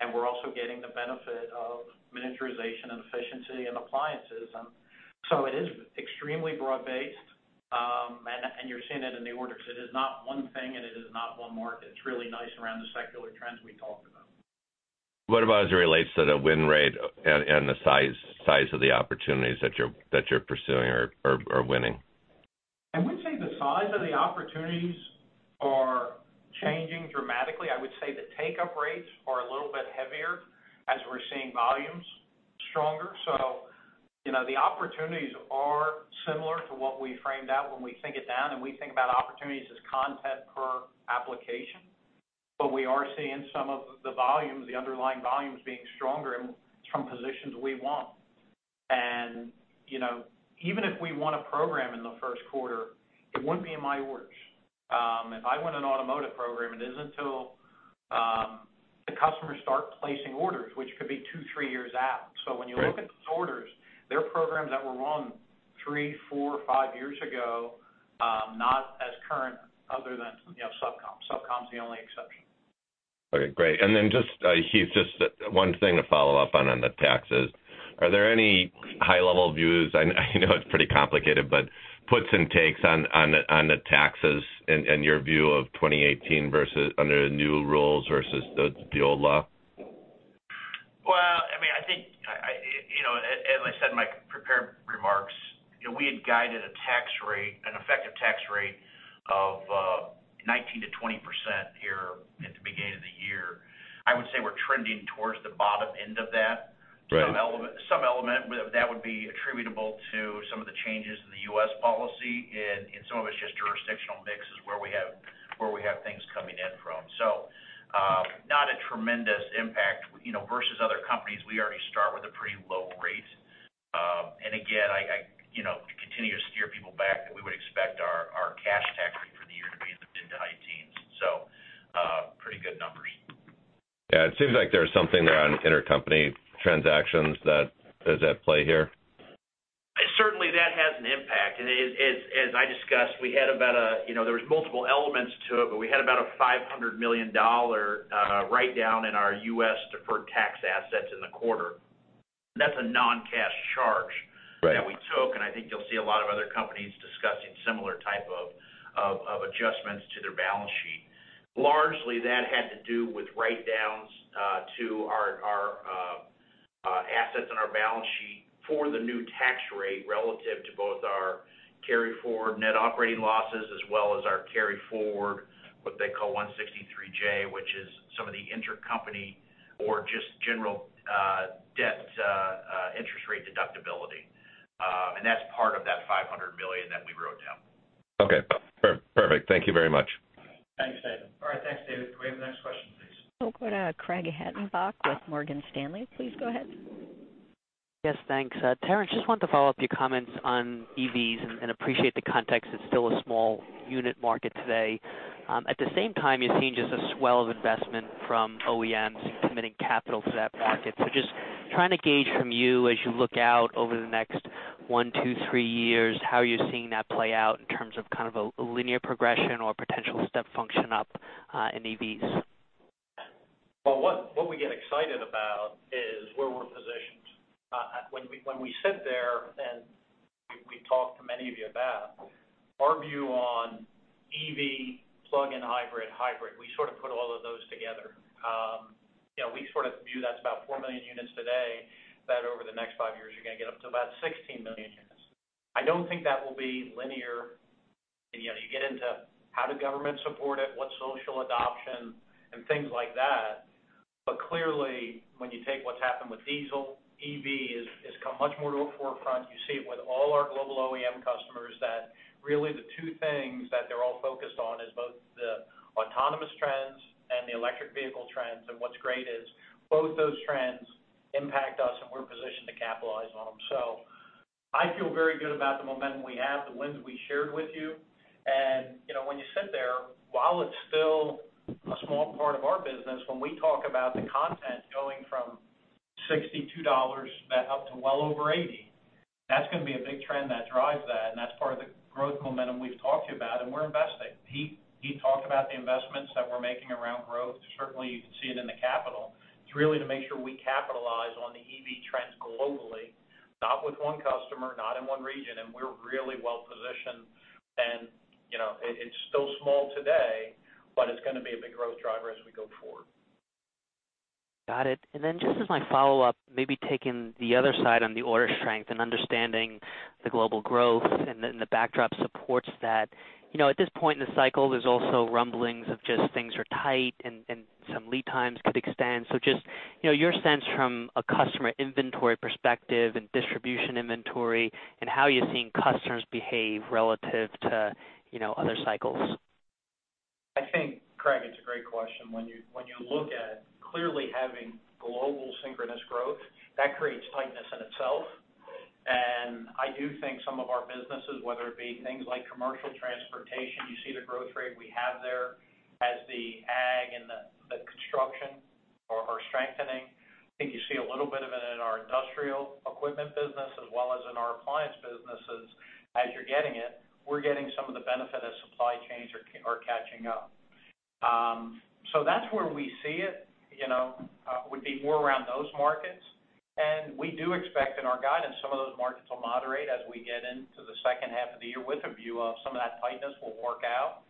and we're also getting the benefit of miniaturization and efficiency in appliances. And so it is extremely broad-based, and you're seeing it in the orders. It is not one thing, and it is not one market. It's really nice around the secular trends we talked about. What about as it relates to the win rate and the size of the opportunities that you're pursuing or winning? I wouldn't say the size of the opportunities are changing dramatically. I would say the take-up rates are a little bit heavier as we're seeing volumes stronger. So the opportunities are similar to what we framed out when we think it down, and we think about opportunities as content per application. But we are seeing some of the volumes, the underlying volumes being stronger from positions we want. And even if we won a program in the first quarter, it wouldn't be in my orders. If I win an automotive program, it isn't until the customers start placing orders, which could be two, three years out. So when you look at those orders, they're programs that were won three, four, five years ago, not as current other than SubCom. SubCom's the only exception.
Okay, great. And then just one thing to follow up on the taxes. Are there any high-level views? I know it's pretty complicated, but puts and takes on the taxes and your view of 2018 versus under the new rules versus the old law?
Well, I mean, I think, as I said in my prepared remarks, we had guided an effective tax rate of 19%-20% here at the beginning of the year. I would say we're trending toward the bottom end of that. Some element of that would be attributable to some of the changes in the U.S. policy, and some of it's just jurisdictional mix is where we have things coming in from. So not a tremendous impact. Versus other companies, we already start with a pretty low rate. And again, I continue to steer people back that we would expect our cash tax rate for the year to be in the mid to high teens. So pretty good numbers.
Yeah. It seems like there's something there on intercompany transactions that is at play here.
Certainly, that has an impact. As I discussed, we had about a – there were multiple elements to it, but we had about a $500 million write-down in our U.S. deferred tax assets in the quarter. That's a non-cash charge that we took, and I think you'll see a lot of other companies discussing similar types of adjustments to their balance sheet. Largely, that had to do with write-downs to our assets in our balance sheet for the new tax rate relative to both our carry-forward net operating losses as well as our carry-forward, what they call 163(j), which is some of the intercompany or just general debt interest rate deductibility. And that's part of that $500 million that we wrote down.
Okay. Perfect. Thank you very much.
Thanks, David. All right. Thanks, David. Do we have the next question, please?
We'll go to Craig Hettenbach with Morgan Stanley. Please go ahead.
Yes, thanks. Terrence, just wanted to follow up your comments on EVs and appreciate the context. It's still a small unit market today. At the same time, you're seeing just a swell of investment from OEMs committing capital to that market. So just trying to gauge from you as you look out over the next one, two, three years, how you're seeing that play out in terms of kind of a linear progression or potential step function up in EVs.
Well, what we get excited about is where we're positioned. When we sit there and we've talked to many of you about our view on EV, plug-in hybrid, hybrid. We sort of put all of those together. We sort of view that's about 4 million units today, that over the next five years, you're going to get up to about 16 million units. I don't think that will be linear. You get into how does government support it, what's social adoption, and things like that. But clearly, when you take what's happened with diesel, EV has come much more to the forefront. You see it with all our global OEM customers that really the two things that they're all focused on is both the autonomous trends and the electric vehicle trends. And what's great is both those trends impact us, and we're positioned to capitalize on them. So I feel very good about the momentum we have, the wins we shared with you. And when you sit there, while it's still a small part of our business, when we talk about the content going from $62 up to well over 80, that's going to be a big trend that drives that. And that's part of the growth momentum we've talked to you about, and we're investing. He talked about the investments that we're making around growth. Certainly, you can see it in the capital. It's really to make sure we capitalize on the EV trends globally, not with one customer, not in one region. And we're really well positioned, and it's still small today, but it's going to be a big growth driver as we go forward.
Got it. And then just as my follow-up, maybe taking the other side on the order strength and understanding the global growth and the backdrop supports that. At this point in the cycle, there's also rumblings of just things are tight and some lead times could extend. So just your sense from a customer inventory perspective and distribution inventory and how you're seeing customers behave relative to other cycles.
I think, Craig, it's a great question. When you look at clearly having global synchronous growth, that creates tightness in itself. And I do think some of our businesses, whether it be things like commercial transportation, you see the growth rate we have there as the ag and the construction are strengthening. I think you see a little bit of it in our industrial equipment business as well as in our appliance businesses. As you're getting it, we're getting some of the benefit as supply chains are catching up. So that's where we see it would be more around those markets. We do expect in our guidance, some of those markets will moderate as we get into the second half of the year with a view of some of that tightness will work out.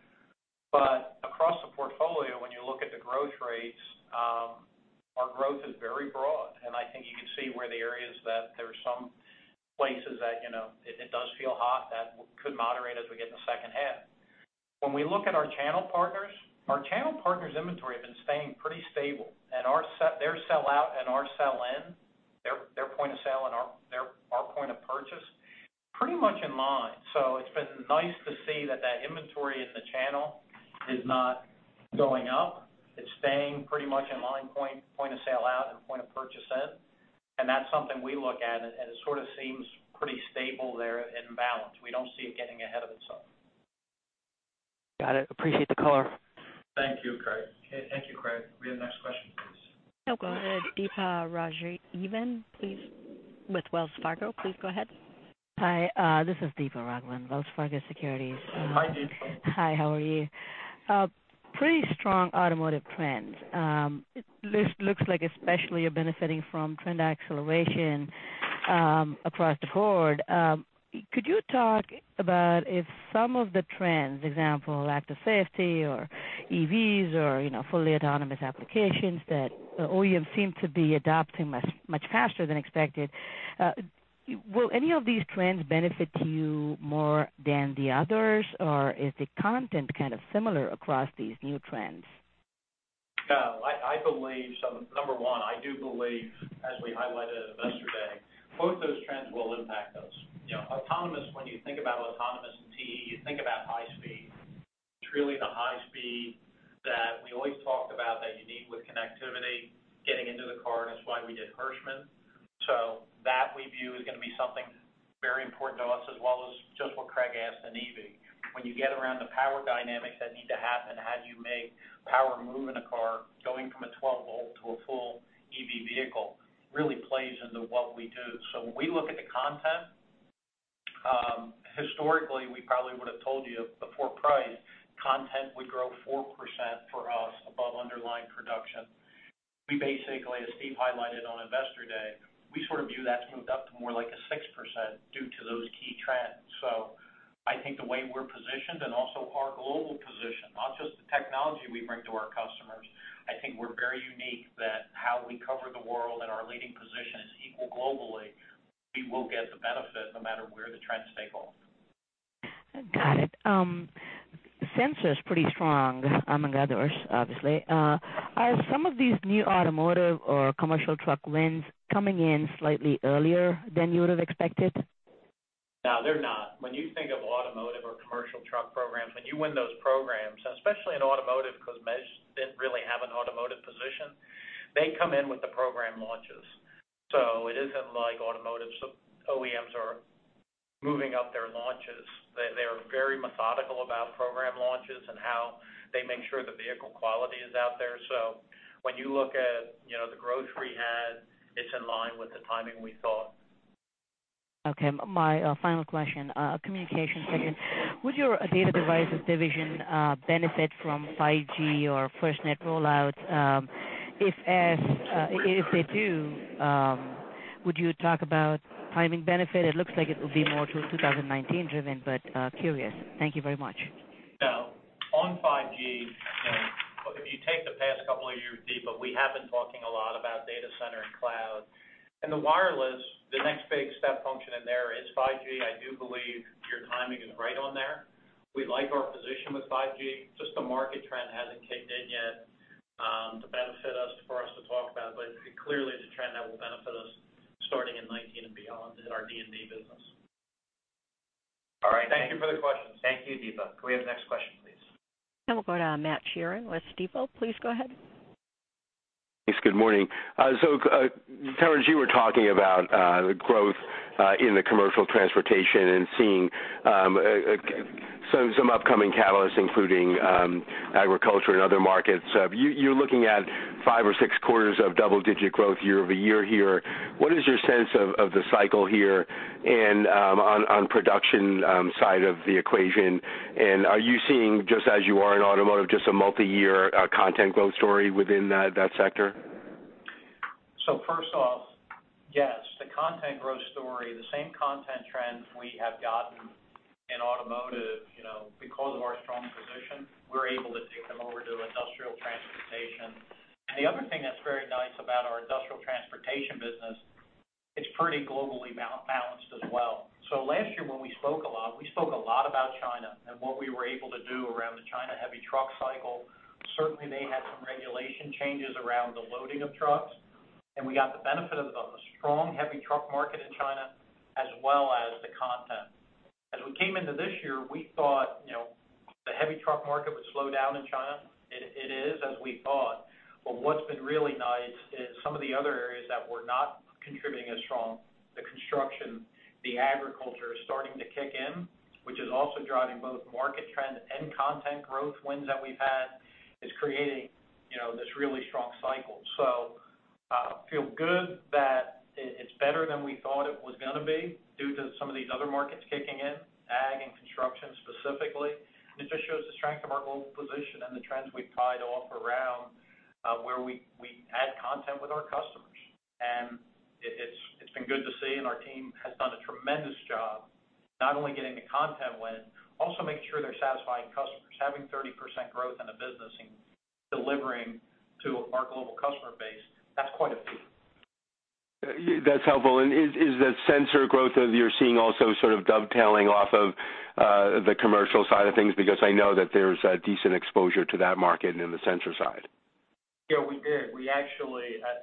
But across the portfolio, when you look at the growth rates, our growth is very broad. I think you can see where the areas that there are some places that it does feel hot that could moderate as we get in the second half. When we look at our channel partners, our channel partners' inventory has been staying pretty stable. Their sell-out and our sell-in, their point of sale and our point of purchase, pretty much in line. So it's been nice to see that that inventory in the channel is not going up. It's staying pretty much in line, point of sale out and point of purchase in. That's something we look at, and it sort of seems pretty stable there and balanced. We don't see it getting ahead of itself.
Got it. Appreciate the color.
Thank you, Craig.
Thank you, Craig. We have the next question, please.
We'll go to Deepa Raghavan, please, with Wells Fargo. Please go ahead.
Hi. This is Deepa Raghavan, Wells Fargo Securities. Hi, Deepa. Hi. How are you? Pretty strong automotive trends. This looks like especially you're benefiting from trend acceleration across the board. Could you talk about if some of the trends, example, active safety or EVs or fully autonomous applications that OEMs seem to be adopting much faster than expected, will any of these trends benefit you more than the others, or is the content kind of similar across these new trends?
No. I believe so. Number one, I do believe, as we highlighted at Investor Day, both those trends will impact us. When you think about autonomous and TE, you think about high speed. It's really the high speed that we always talked about that you need with connectivity, getting into the car, and that's why we did Hirschmann. So that we view is going to be something very important to us as well as just what Craig asked in EV. When you get around the power dynamics that need to happen, how do you make power move in a car going from a 12-volt to a full EV vehicle really plays into what we do. So when we look at the content, historically, we probably would have told you before price, content would grow 4% for us above underlying production. We basically, as Heath highlighted on Investor Day, we sort of view that's moved up to more like a 6% due to those key trends. So I think the way we're positioned and also our global position, not just the technology we bring to our customers, I think we're very unique that how we cover the world and our leading position is equal globally. We will get the benefit no matter where the trends take off.
Got it. Sensors pretty strong among others, obviously. Are some of these new automotive or commercial truck wins coming in slightly earlier than you would have expected?
No, they're not. When you think of automotive or commercial truck programs, when you win those programs, especially in automotive because MEAS didn't really have an automotive position, they come in with the program launches. So it isn't like automotive OEMs are moving up their launches. They're very methodical about program launches and how they make sure the vehicle quality is out there. So when you look at the growth we had, it's in line with the timing we thought.
Okay. My final question, communication segment. Would your data devices division benefit from 5G or FirstNet rollout? If they do, would you talk about timing benefit? It looks like it will be more 2019-driven, but curious. Thank you very much.
So on 5G, if you take the past couple of years, Deepa, we have been talking a lot about data center and cloud. And the wireless, the next big step function in there is 5G. I do believe your timing is right on there. We like our position with 5G. Just the market trend hasn't kicked in yet to benefit us for us to talk about it. But clearly, it's a trend that will benefit us starting in 2019 and beyond in our D&D business.
All right. Thank you for the questions.
Thank you, Deepa. Can we have the next question, please?
We'll go to Matt Sheerin with Stifel. Please go ahead.
Thanks. Good morning. So Terrence, you were talking about the growth in the commercial transportation and seeing some upcoming catalysts, including agriculture and other markets. You're looking at five or six quarters of double-digit growth year-over-year here. What is your sense of the cycle here on the production side of the equation? And are you seeing, just as you are in automotive, just a multi-year content growth story within that sector?
So first off, yes, the content growth story, the same content trends we have gotten in automotive because of our strong position. We're able to take them over to industrial transportation. The other thing that's very nice about our industrial transportation business, it's pretty globally balanced as well. So last year, when we spoke a lot, we spoke a lot about China and what we were able to do around the China heavy truck cycle. Certainly, they had some regulation changes around the loading of trucks. And we got the benefit of a strong heavy truck market in China as well as the content. As we came into this year, we thought the heavy truck market would slow down in China. It is, as we thought. But what's been really nice is some of the other areas that were not contributing as strong, the construction, the agriculture starting to kick in, which is also driving both market trend and content growth wins that we've had, is creating this really strong cycle. So I feel good that it's better than we thought it was going to be due to some of these other markets kicking in, ag and construction specifically. And it just shows the strength of our global position and the trends we've tied off around where we add content with our customers. And it's been good to see, and our team has done a tremendous job not only getting the content win, also making sure they're satisfying customers. Having 30% growth in a business and delivering to our global customer base, that's quite a feat.
That's helpful. And is the sensor growth that you're seeing also sort of dovetailing off of the commercial side of things? Because I know that there's decent exposure to that market in the sensor side.
Yeah, we did.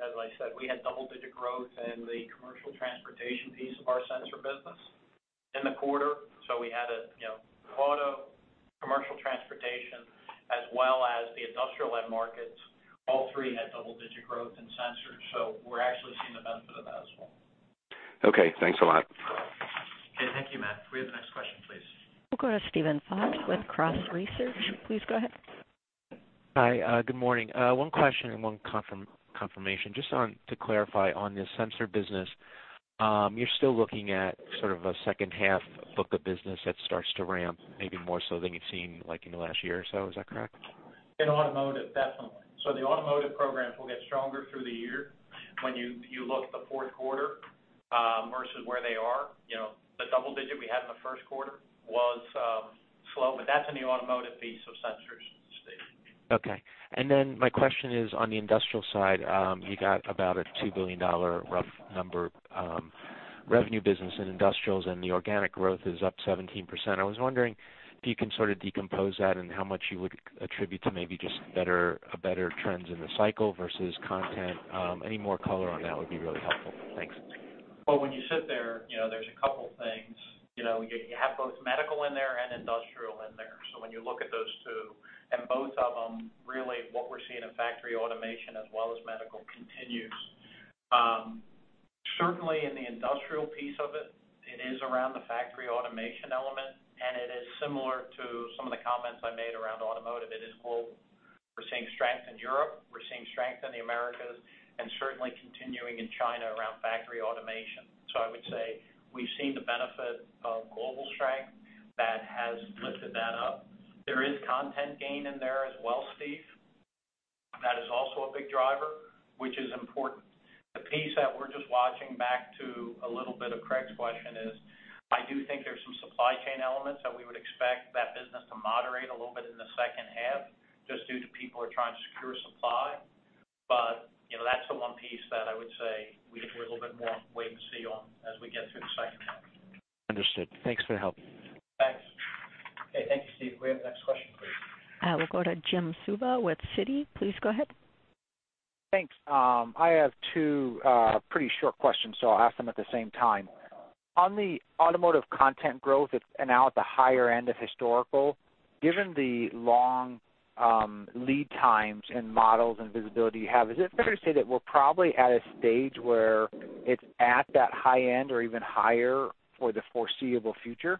As I said, we had double-digit growth in the commercial transportation piece of our sensor business in the quarter. So we had auto, commercial transportation, as well as the industrial end markets. All three had double-digit growth in sensors. So we're actually seeing the benefit of that as well.
Okay. Thanks a lot.
Okay. Thank you, Matt. We have the next question, please.
We'll go to Steven Fox with Cross Research. Please go ahead.
Hi. Good morning. One question and one confirmation. Just to clarify on the sensor business, you're still looking at sort of a second half book of business that starts to ramp maybe more so than you've seen in the last year or so. Is that correct?
In automotive, definitely. So the automotive programs will get stronger through the year when you look at the fourth quarter versus where they are. The double-digit we had in the first quarter was slow, but that's in the automotive piece of sensors.
Okay. And then my question is on the industrial side. You got about a $2 billion rough number revenue business in industrials, and the organic growth is up 17%. I was wondering if you can sort of decompose that and how much you would attribute to maybe just better trends in the cycle versus content. Any more color on that would be really helpful. Thanks.
Well, when you sit there, there's a couple of things. You have both medical in there and industrial in there. So when you look at those two, and both of them, really what we're seeing in factory automation as well as medical continues. Certainly, in the industrial piece of it, it is around the factory automation element, and it is similar to some of the comments I made around automotive. It is global. We're seeing strength in Europe. We're seeing strength in the Americas and certainly continuing in China around factory automation. So I would say we've seen the benefit of global strength that has lifted that up. There is content gain in there as well, Steve, that is also a big driver, which is important. The piece that we're just watching back to a little bit of Craig's question is I do think there's some supply chain elements that we would expect that business to moderate a little bit in the second half just due to people who are trying to secure supply. But that's the one piece that I would say we're a little bit more wait and see on as we get through the second half.
Understood. Thanks for the help.
Thanks. Okay. Thank you, Steve. We have the next question, please.
We'll go to Jim Suva with Citi. Please go ahead.
Thanks. I have two pretty short questions, so I'll ask them at the same time. On the automotive content growth, it's now at the higher end of historical. Given the long lead times and models and visibility you have, is it fair to say that we're probably at a stage where it's at that high end or even higher for the foreseeable future?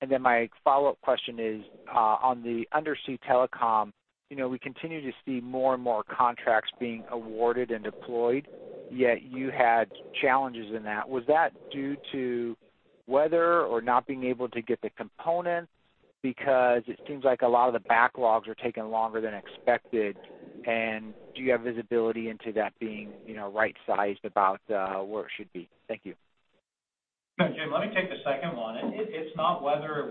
And then my follow-up question is on the undersea telecom, we continue to see more and more contracts being awarded and deployed, yet you had challenges in that. Was that due to weather or not being able to get the components? Because it seems like a lot of the backlogs are taking longer than expected. Do you have visibility into that being right-sized about where it should be? Thank you.
Jim, let me take the second one. It's not weather.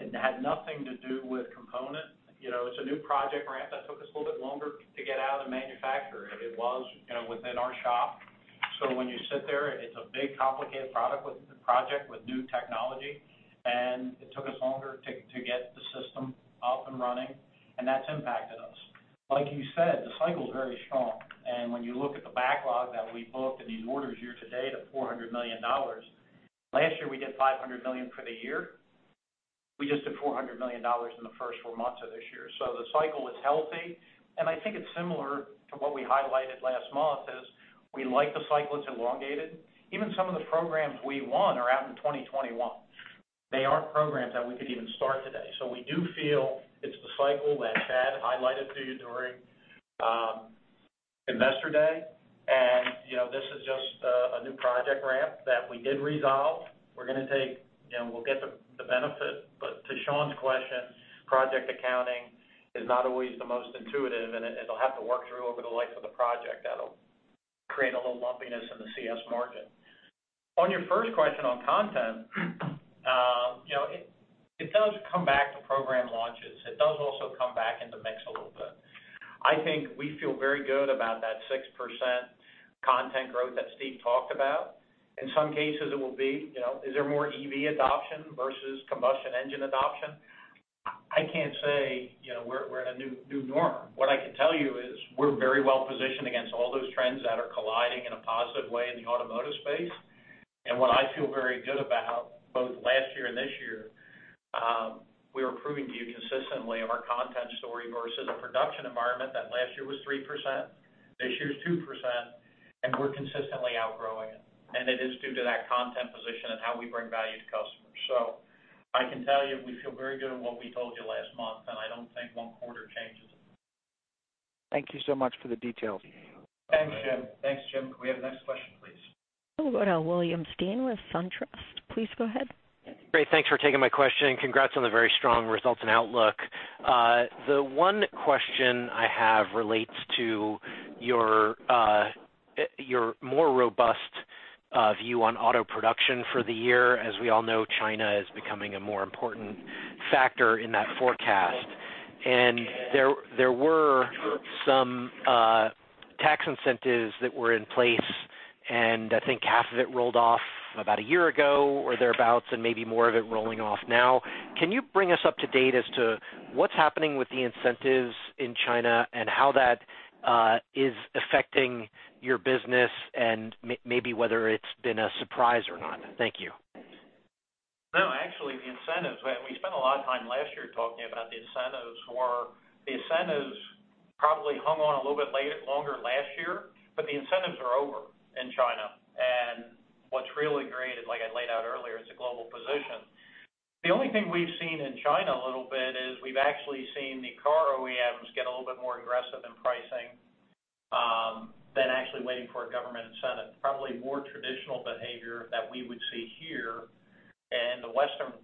It had nothing to do with components. It's a new project ramp that took us a little bit longer to get out and manufacture. It was within our shop. When you sit there, it's a big, complicated project with new technology. It took us longer to get the system up and running. That's impacted us. Like you said, the cycle is very strong. When you look at the backlog that we booked and these orders year to date of $400 million, last year we did $500 million for the year. We just did $400 million in the first four months of this year. So the cycle is healthy. And I think it's similar to what we highlighted last month is we like the cycle. It's elongated. Even some of the programs we won are out in 2021. They aren't programs that we could even start today. So we do feel it's the cycle that Chad highlighted to you during Investor Day. And this is just a new project ramp that we did resolve. We're going to take. We'll get the benefit. But to Shawn's question, project accounting is not always the most intuitive, and it'll have to work through over the life of the project. That'll create a little lumpiness in the CS margin. On your first question on content, it does come back to program launches. It does also come back into mix a little bit. I think we feel very good about that 6% content growth that Steve talked about. In some cases, it will be. Is there more EV adoption versus combustion engine adoption? I can't say we're in a new norm. What I can tell you is we're very well positioned against all those trends that are colliding in a positive way in the automotive space. What I feel very good about both last year and this year, we were proving to you consistently our content story versus a production environment that last year was 3%. This year's 2%. We're consistently outgrowing it. It is due to that content position and how we bring value to customers. I can tell you we feel very good on what we told you last month, and I don't think one quarter changes.
Thank you so much for the details.
Thanks, Jim. Thanks, Jim. We have the next question, please.
We'll go to William Stein with SunTrust. Please go ahead.
Great. Thanks for taking my question. Congrats on the very strong results and outlook. The one question I have relates to your more robust view on auto production for the year. As we all know, China is becoming a more important factor in that forecast. And there were some tax incentives that were in place, and I think half of it rolled off about a year ago or thereabouts, and maybe more of it rolling off now. Can you bring us up to date as to what's happening with the incentives in China and how that is affecting your business and maybe whether it's been a surprise or not? Thank you.
No, actually, the incentives we spent a lot of time last year talking about the incentives were the incentives probably hung on a little bit longer last year, but the incentives are over in China. And what's really great is, like I laid out earlier, it's a global position. The only thing we've seen in China a little bit is we've actually seen the car OEMs get a little bit more aggressive in pricing than actually waiting for a government incentive. Probably more traditional behavior that we would see here in the Western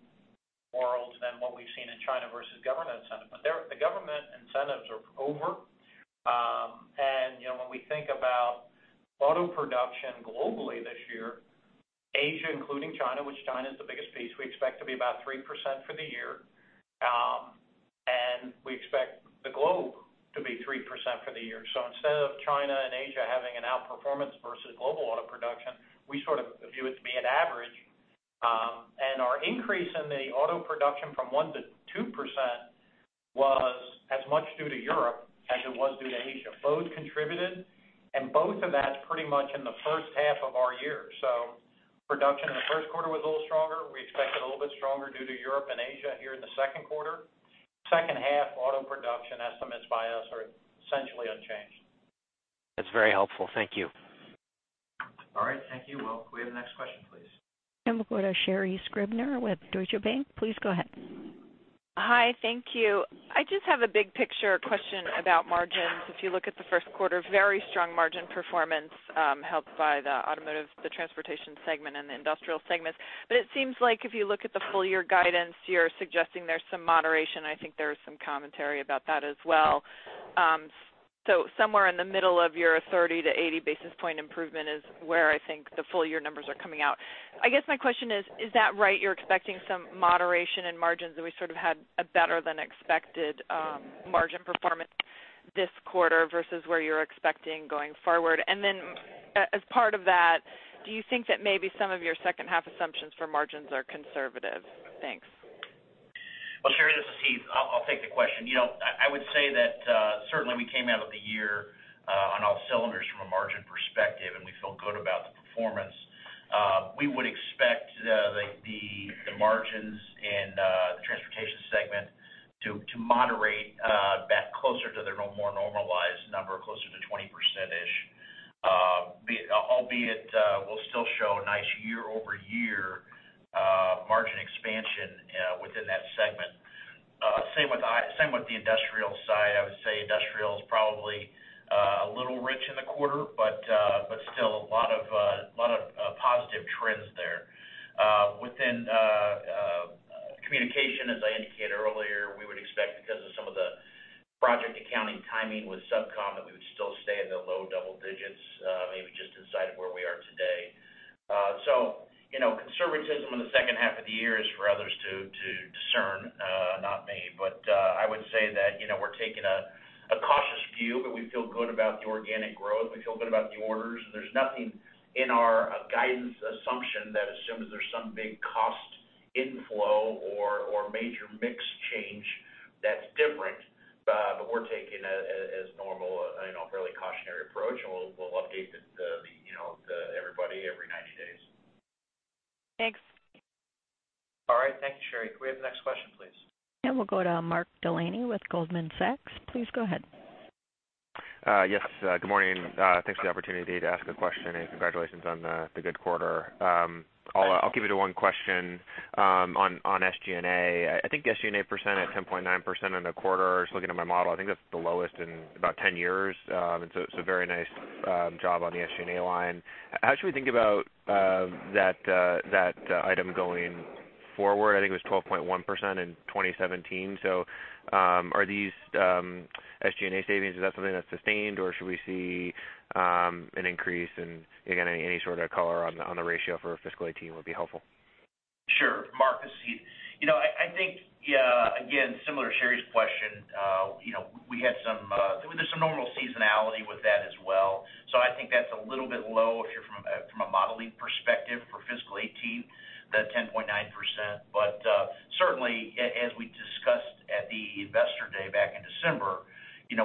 world than what we've seen in China versus government incentive. But the government incentives are over. And when we think about auto production globally this year, Asia, including China, which China is the biggest piece, we expect to be about 3% for the year. And we expect the globe to be 3% for the year. So instead of China and Asia having an outperformance versus global auto production, we sort of view it to be an average. And our increase in the auto production from 1%-2% was as much due to Europe as it was due to Asia. Both contributed, and both of that's pretty much in the first half of our year. So production in the first quarter was a little stronger. We expect it a little bit stronger due to Europe and Asia here in the second quarter. Second half auto production estimates by us are essentially unchanged.
That's very helpful. Thank you.
All right. Thank you. Well, we have the next question, please.
We'll go to Sherri Scribner with Deutsche Bank. Please go ahead.
Hi. Thank you. I just have a big picture question about margins. If you look at the first quarter, very strong margin performance led by the automotive, the transportation segment, and the industrial segments. But it seems like if you look at the full year guidance, you're suggesting there's some moderation. I think there is some commentary about that as well. So somewhere in the middle of your 30-80 basis points improvement is where I think the full year numbers are coming out. I guess my question is, is that right? You're expecting some moderation in margins that we sort of had a better than expected margin performance this quarter versus where you're expecting going forward. And then as part of that, do you think that maybe some of your second half assumptions for margins are conservative? Thanks.
Well, Sherri, this is Steve. I'll take the question. I would say that certainly we came out of the year on all cylinders from a margin perspective, and we feel good about the performance. We would expect the margins in the transportation segment to moderate back closer to their more normalized number, closer to 20%-ish, albeit we'll still show nice year-over-year margin expansion within that segment. Same with the industrial side. I would say industrial is probably a little rich in the quarter, but still a lot of positive trends there. Within communication, as I indicated earlier, we would expect because of some of the project accounting timing with SubCom that we would still stay in the low double digits, maybe just inside of where we are today. So conservatism in the second half of the year is for others to discern, not me. But I would say that we're taking a cautious view, but we feel good about the organic growth. We feel good about the orders. And there's nothing in our guidance assumption that assumes there's some big cost inflow or major mix change that's different. But we're taking it as normal, a fairly cautionary approach, and we'll update everybody every 90 days.
Thanks.
All right. Thank you, Sherri. We have the next question, please.
And we'll go to Mark Delaney with Goldman Sachs. Please go ahead.
Yes. Good morning. Thanks for the opportunity to ask a question and congratulations on the good quarter. I'll keep it to one question on SG&A. I think the SG&A percent at 10.9% in a quarter, just looking at my model, I think that's the lowest in about 10 years. It's a very nice job on the SG&A line. How should we think about that item going forward? I think it was 12.1% in 2017. So are these SG&A savings, is that something that's sustained, or should we see an increase? And again, any sort of color on the ratio for fiscal 2018 would be helpful.
Sure. Mark, it's Steve. I think, again, similar to Sherri's question, we had some. There's some normal seasonality with that as well. So I think that's a little bit low if you're from a modeling perspective for fiscal 2018, the 10.9%. But certainly, as we discussed at the investor day back in December,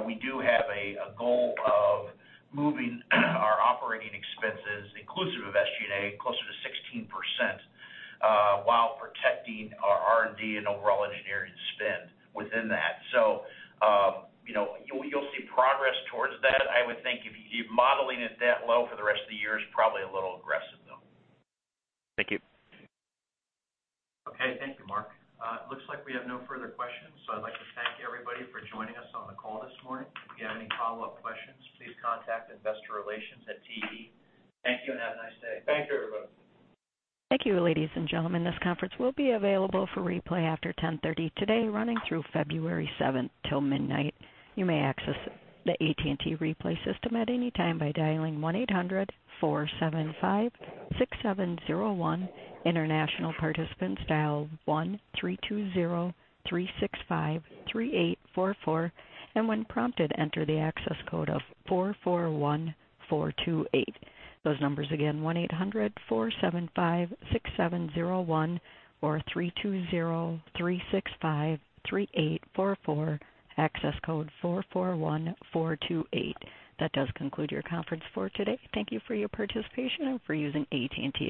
we do have a goal of moving our operating expenses, inclusive of SG&A, closer to 16% while protecting our R&D and overall engineering spend within that. So you'll see progress towards that. I would think if you're modeling it that low for the rest of the year is probably a little aggressive, though.
Thank you.
Okay. Thank you, Mark. It looks like we have no further questions. So I'd like to thank everybody for joining us on the call this morning. If you have any follow-up questions, please contact investorrelations@te.com. Thank you and have a nice day.
Thank you, everybody.
Thank you, ladies and gentlemen. This conference will be available for replay after 10:30 today, running through February 7th till midnight. You may access the AT&T replay system at any time by dialing 1-800-475-6701, international participants dial 1-320-365-3844. And when prompted, enter the access code of 441428. Those numbers again, 1-800-475-6701 or 320-365-3844, access code 441428. That does conclude your conference for today. Thank you for your participation and for using AT&T.